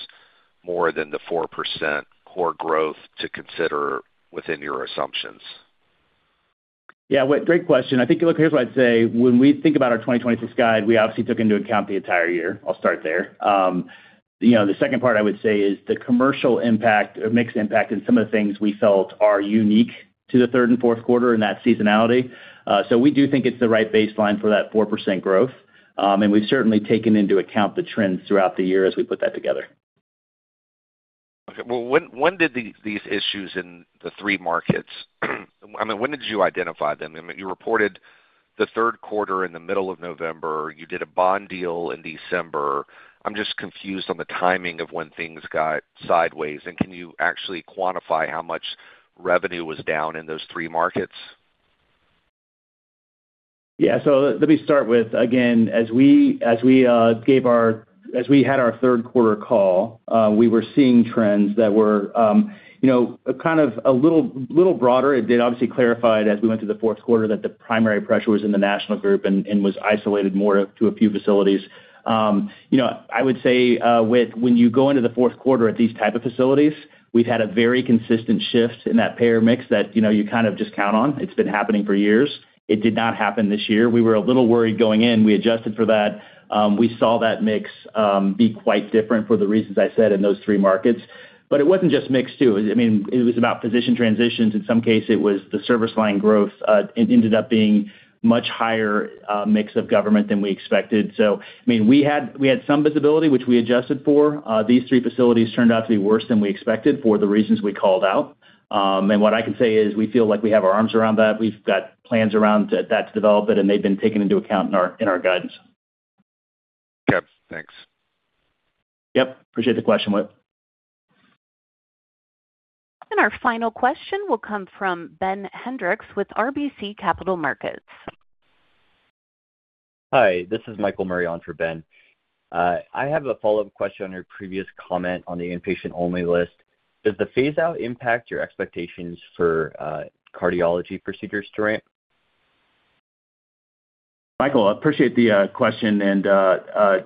more than the 4% core growth to consider within your assumptions. Whit, great question. I think, look, here's what I'd say. When we think about our 2026 guide, we obviously took into account the entire year. I'll start there. You know, the second part I would say is the commercial impact or mixed impact in some of the things we felt are unique to the third and fourth quarter and that seasonality. We do think it's the right baseline for that 4% growth. We've certainly taken into account the trends throughout the year as we put that together. Okay. Well when did these issues in the three markets, I mean, when did you identify them? I mean, you reported the third quarter in the middle of November. You did a bond deal in December. I'm just confused on the timing of when things got sideways. Can you actually quantify how much revenue was down in those three markets? Yeah. Let me start with, again, as we had our third quarter call, we were seeing trends that were, you know, kind of a little broader. It did obviously clarified as we went through the fourth quarter that the primary pressure was in the National Group and was isolated more to a few facilities. You know, I would say, Whit, when you go into the fourth quarter at these type of facilities, we've had a very consistent shift in that payer mix that, you know, you kind of just count on. It's been happening for years. It did not happen this year. We were a little worried going in. We adjusted for that. We saw that mix be quite different for the reasons I said in those three markets. It wasn't just mix too. I mean, it was about physician transitions. In some case, it was the service line growth, it ended up being much higher, mix of government than we expected. I mean, we had some visibility, which we adjusted for. These three facilities turned out to be worse than we expected for the reasons we called out. What I can say is we feel like we have our arms around that. We've got plans around that's developed, and they've been taken into account in our, in our guidance. Yep. Thanks. Yep, appreciate the question, Whit. Our final question will come from Ben Hendrix with RBC Capital Markets. Hi, this is Michael Marion for Ben. I have a follow-up question on your previous comment on the inpatient-only list. Does the phase out impact your expectations for cardiology procedures to ramp? Michael, I appreciate the question and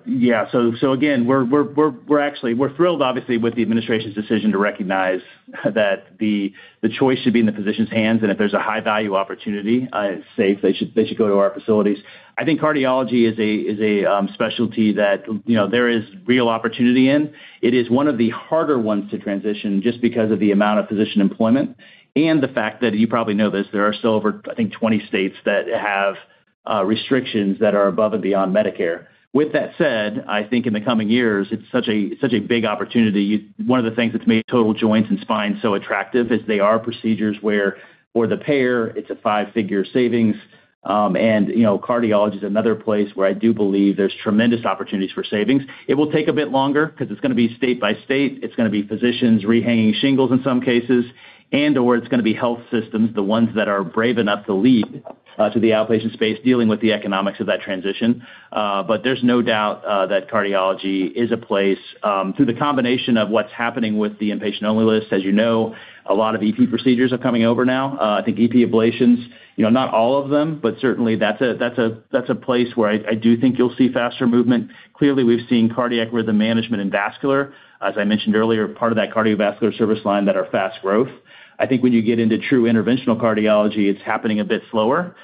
yeah, so again, we're actually thrilled obviously with the administration's decision to recognize that the choice should be in the physician's hands, and if there's a high value opportunity, it's safe, they should go to our facilities. I think cardiology is a specialty that, you know, there is real opportunity in. It is one of the harder ones to transition just because of the amount of physician employment and the fact that, you probably know this, there are still over, I think, 20 states that have restrictions that are above and beyond Medicare. With that said, I think in the coming years, it's such a big opportunity. One of the things that's made total joints and spine so attractive is they are procedures where for the payer it's a five-figure savings. You know, cardiology is another place where I do believe there's tremendous opportunities for savings. It will take a bit longer 'cause it's gonna be state by state. It's gonna be physicians rehanging shingles in some cases and/or it's gonna be health systems, the ones that are brave enough to lead to the outpatient space, dealing with the economics of that transition. There's no doubt that cardiology is a place through the combination of what's happening with the inpatient-only list. As you know, a lot of EP procedures are coming over now. I think EP ablations, you know, not all of them, but certainly that's a place where I do think you'll see faster movement. Clearly, we've seen cardiac rhythm management and vascular, as I mentioned earlier, part of that cardiovascular service line that are fast growth. I think when you get into true interventional cardiology, it's happening a bit slower,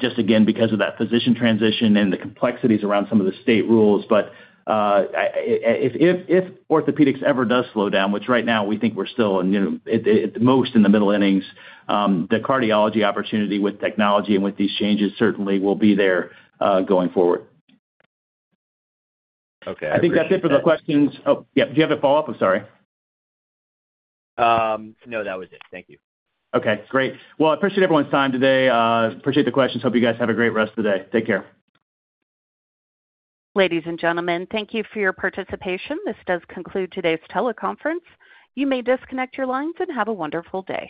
just again because of that physician transition and the complexities around some of the state rules. If orthopedics ever does slow down, which right now we think we're still in, you know, at most in the middle innings, the cardiology opportunity with technology and with these changes certainly will be there going forward. Okay. I appreciate that. I think that's it for the questions. Oh, yeah, do you have a follow-up? I'm sorry. No, that was it. Thank you. Okay, great. Well, I appreciate everyone's time today. Appreciate the questions. Hope you guys have a great rest of the day. Take care. Ladies and gentlemen, thank you for your participation. This does conclude today's teleconference. You may disconnect your lines and have a wonderful day.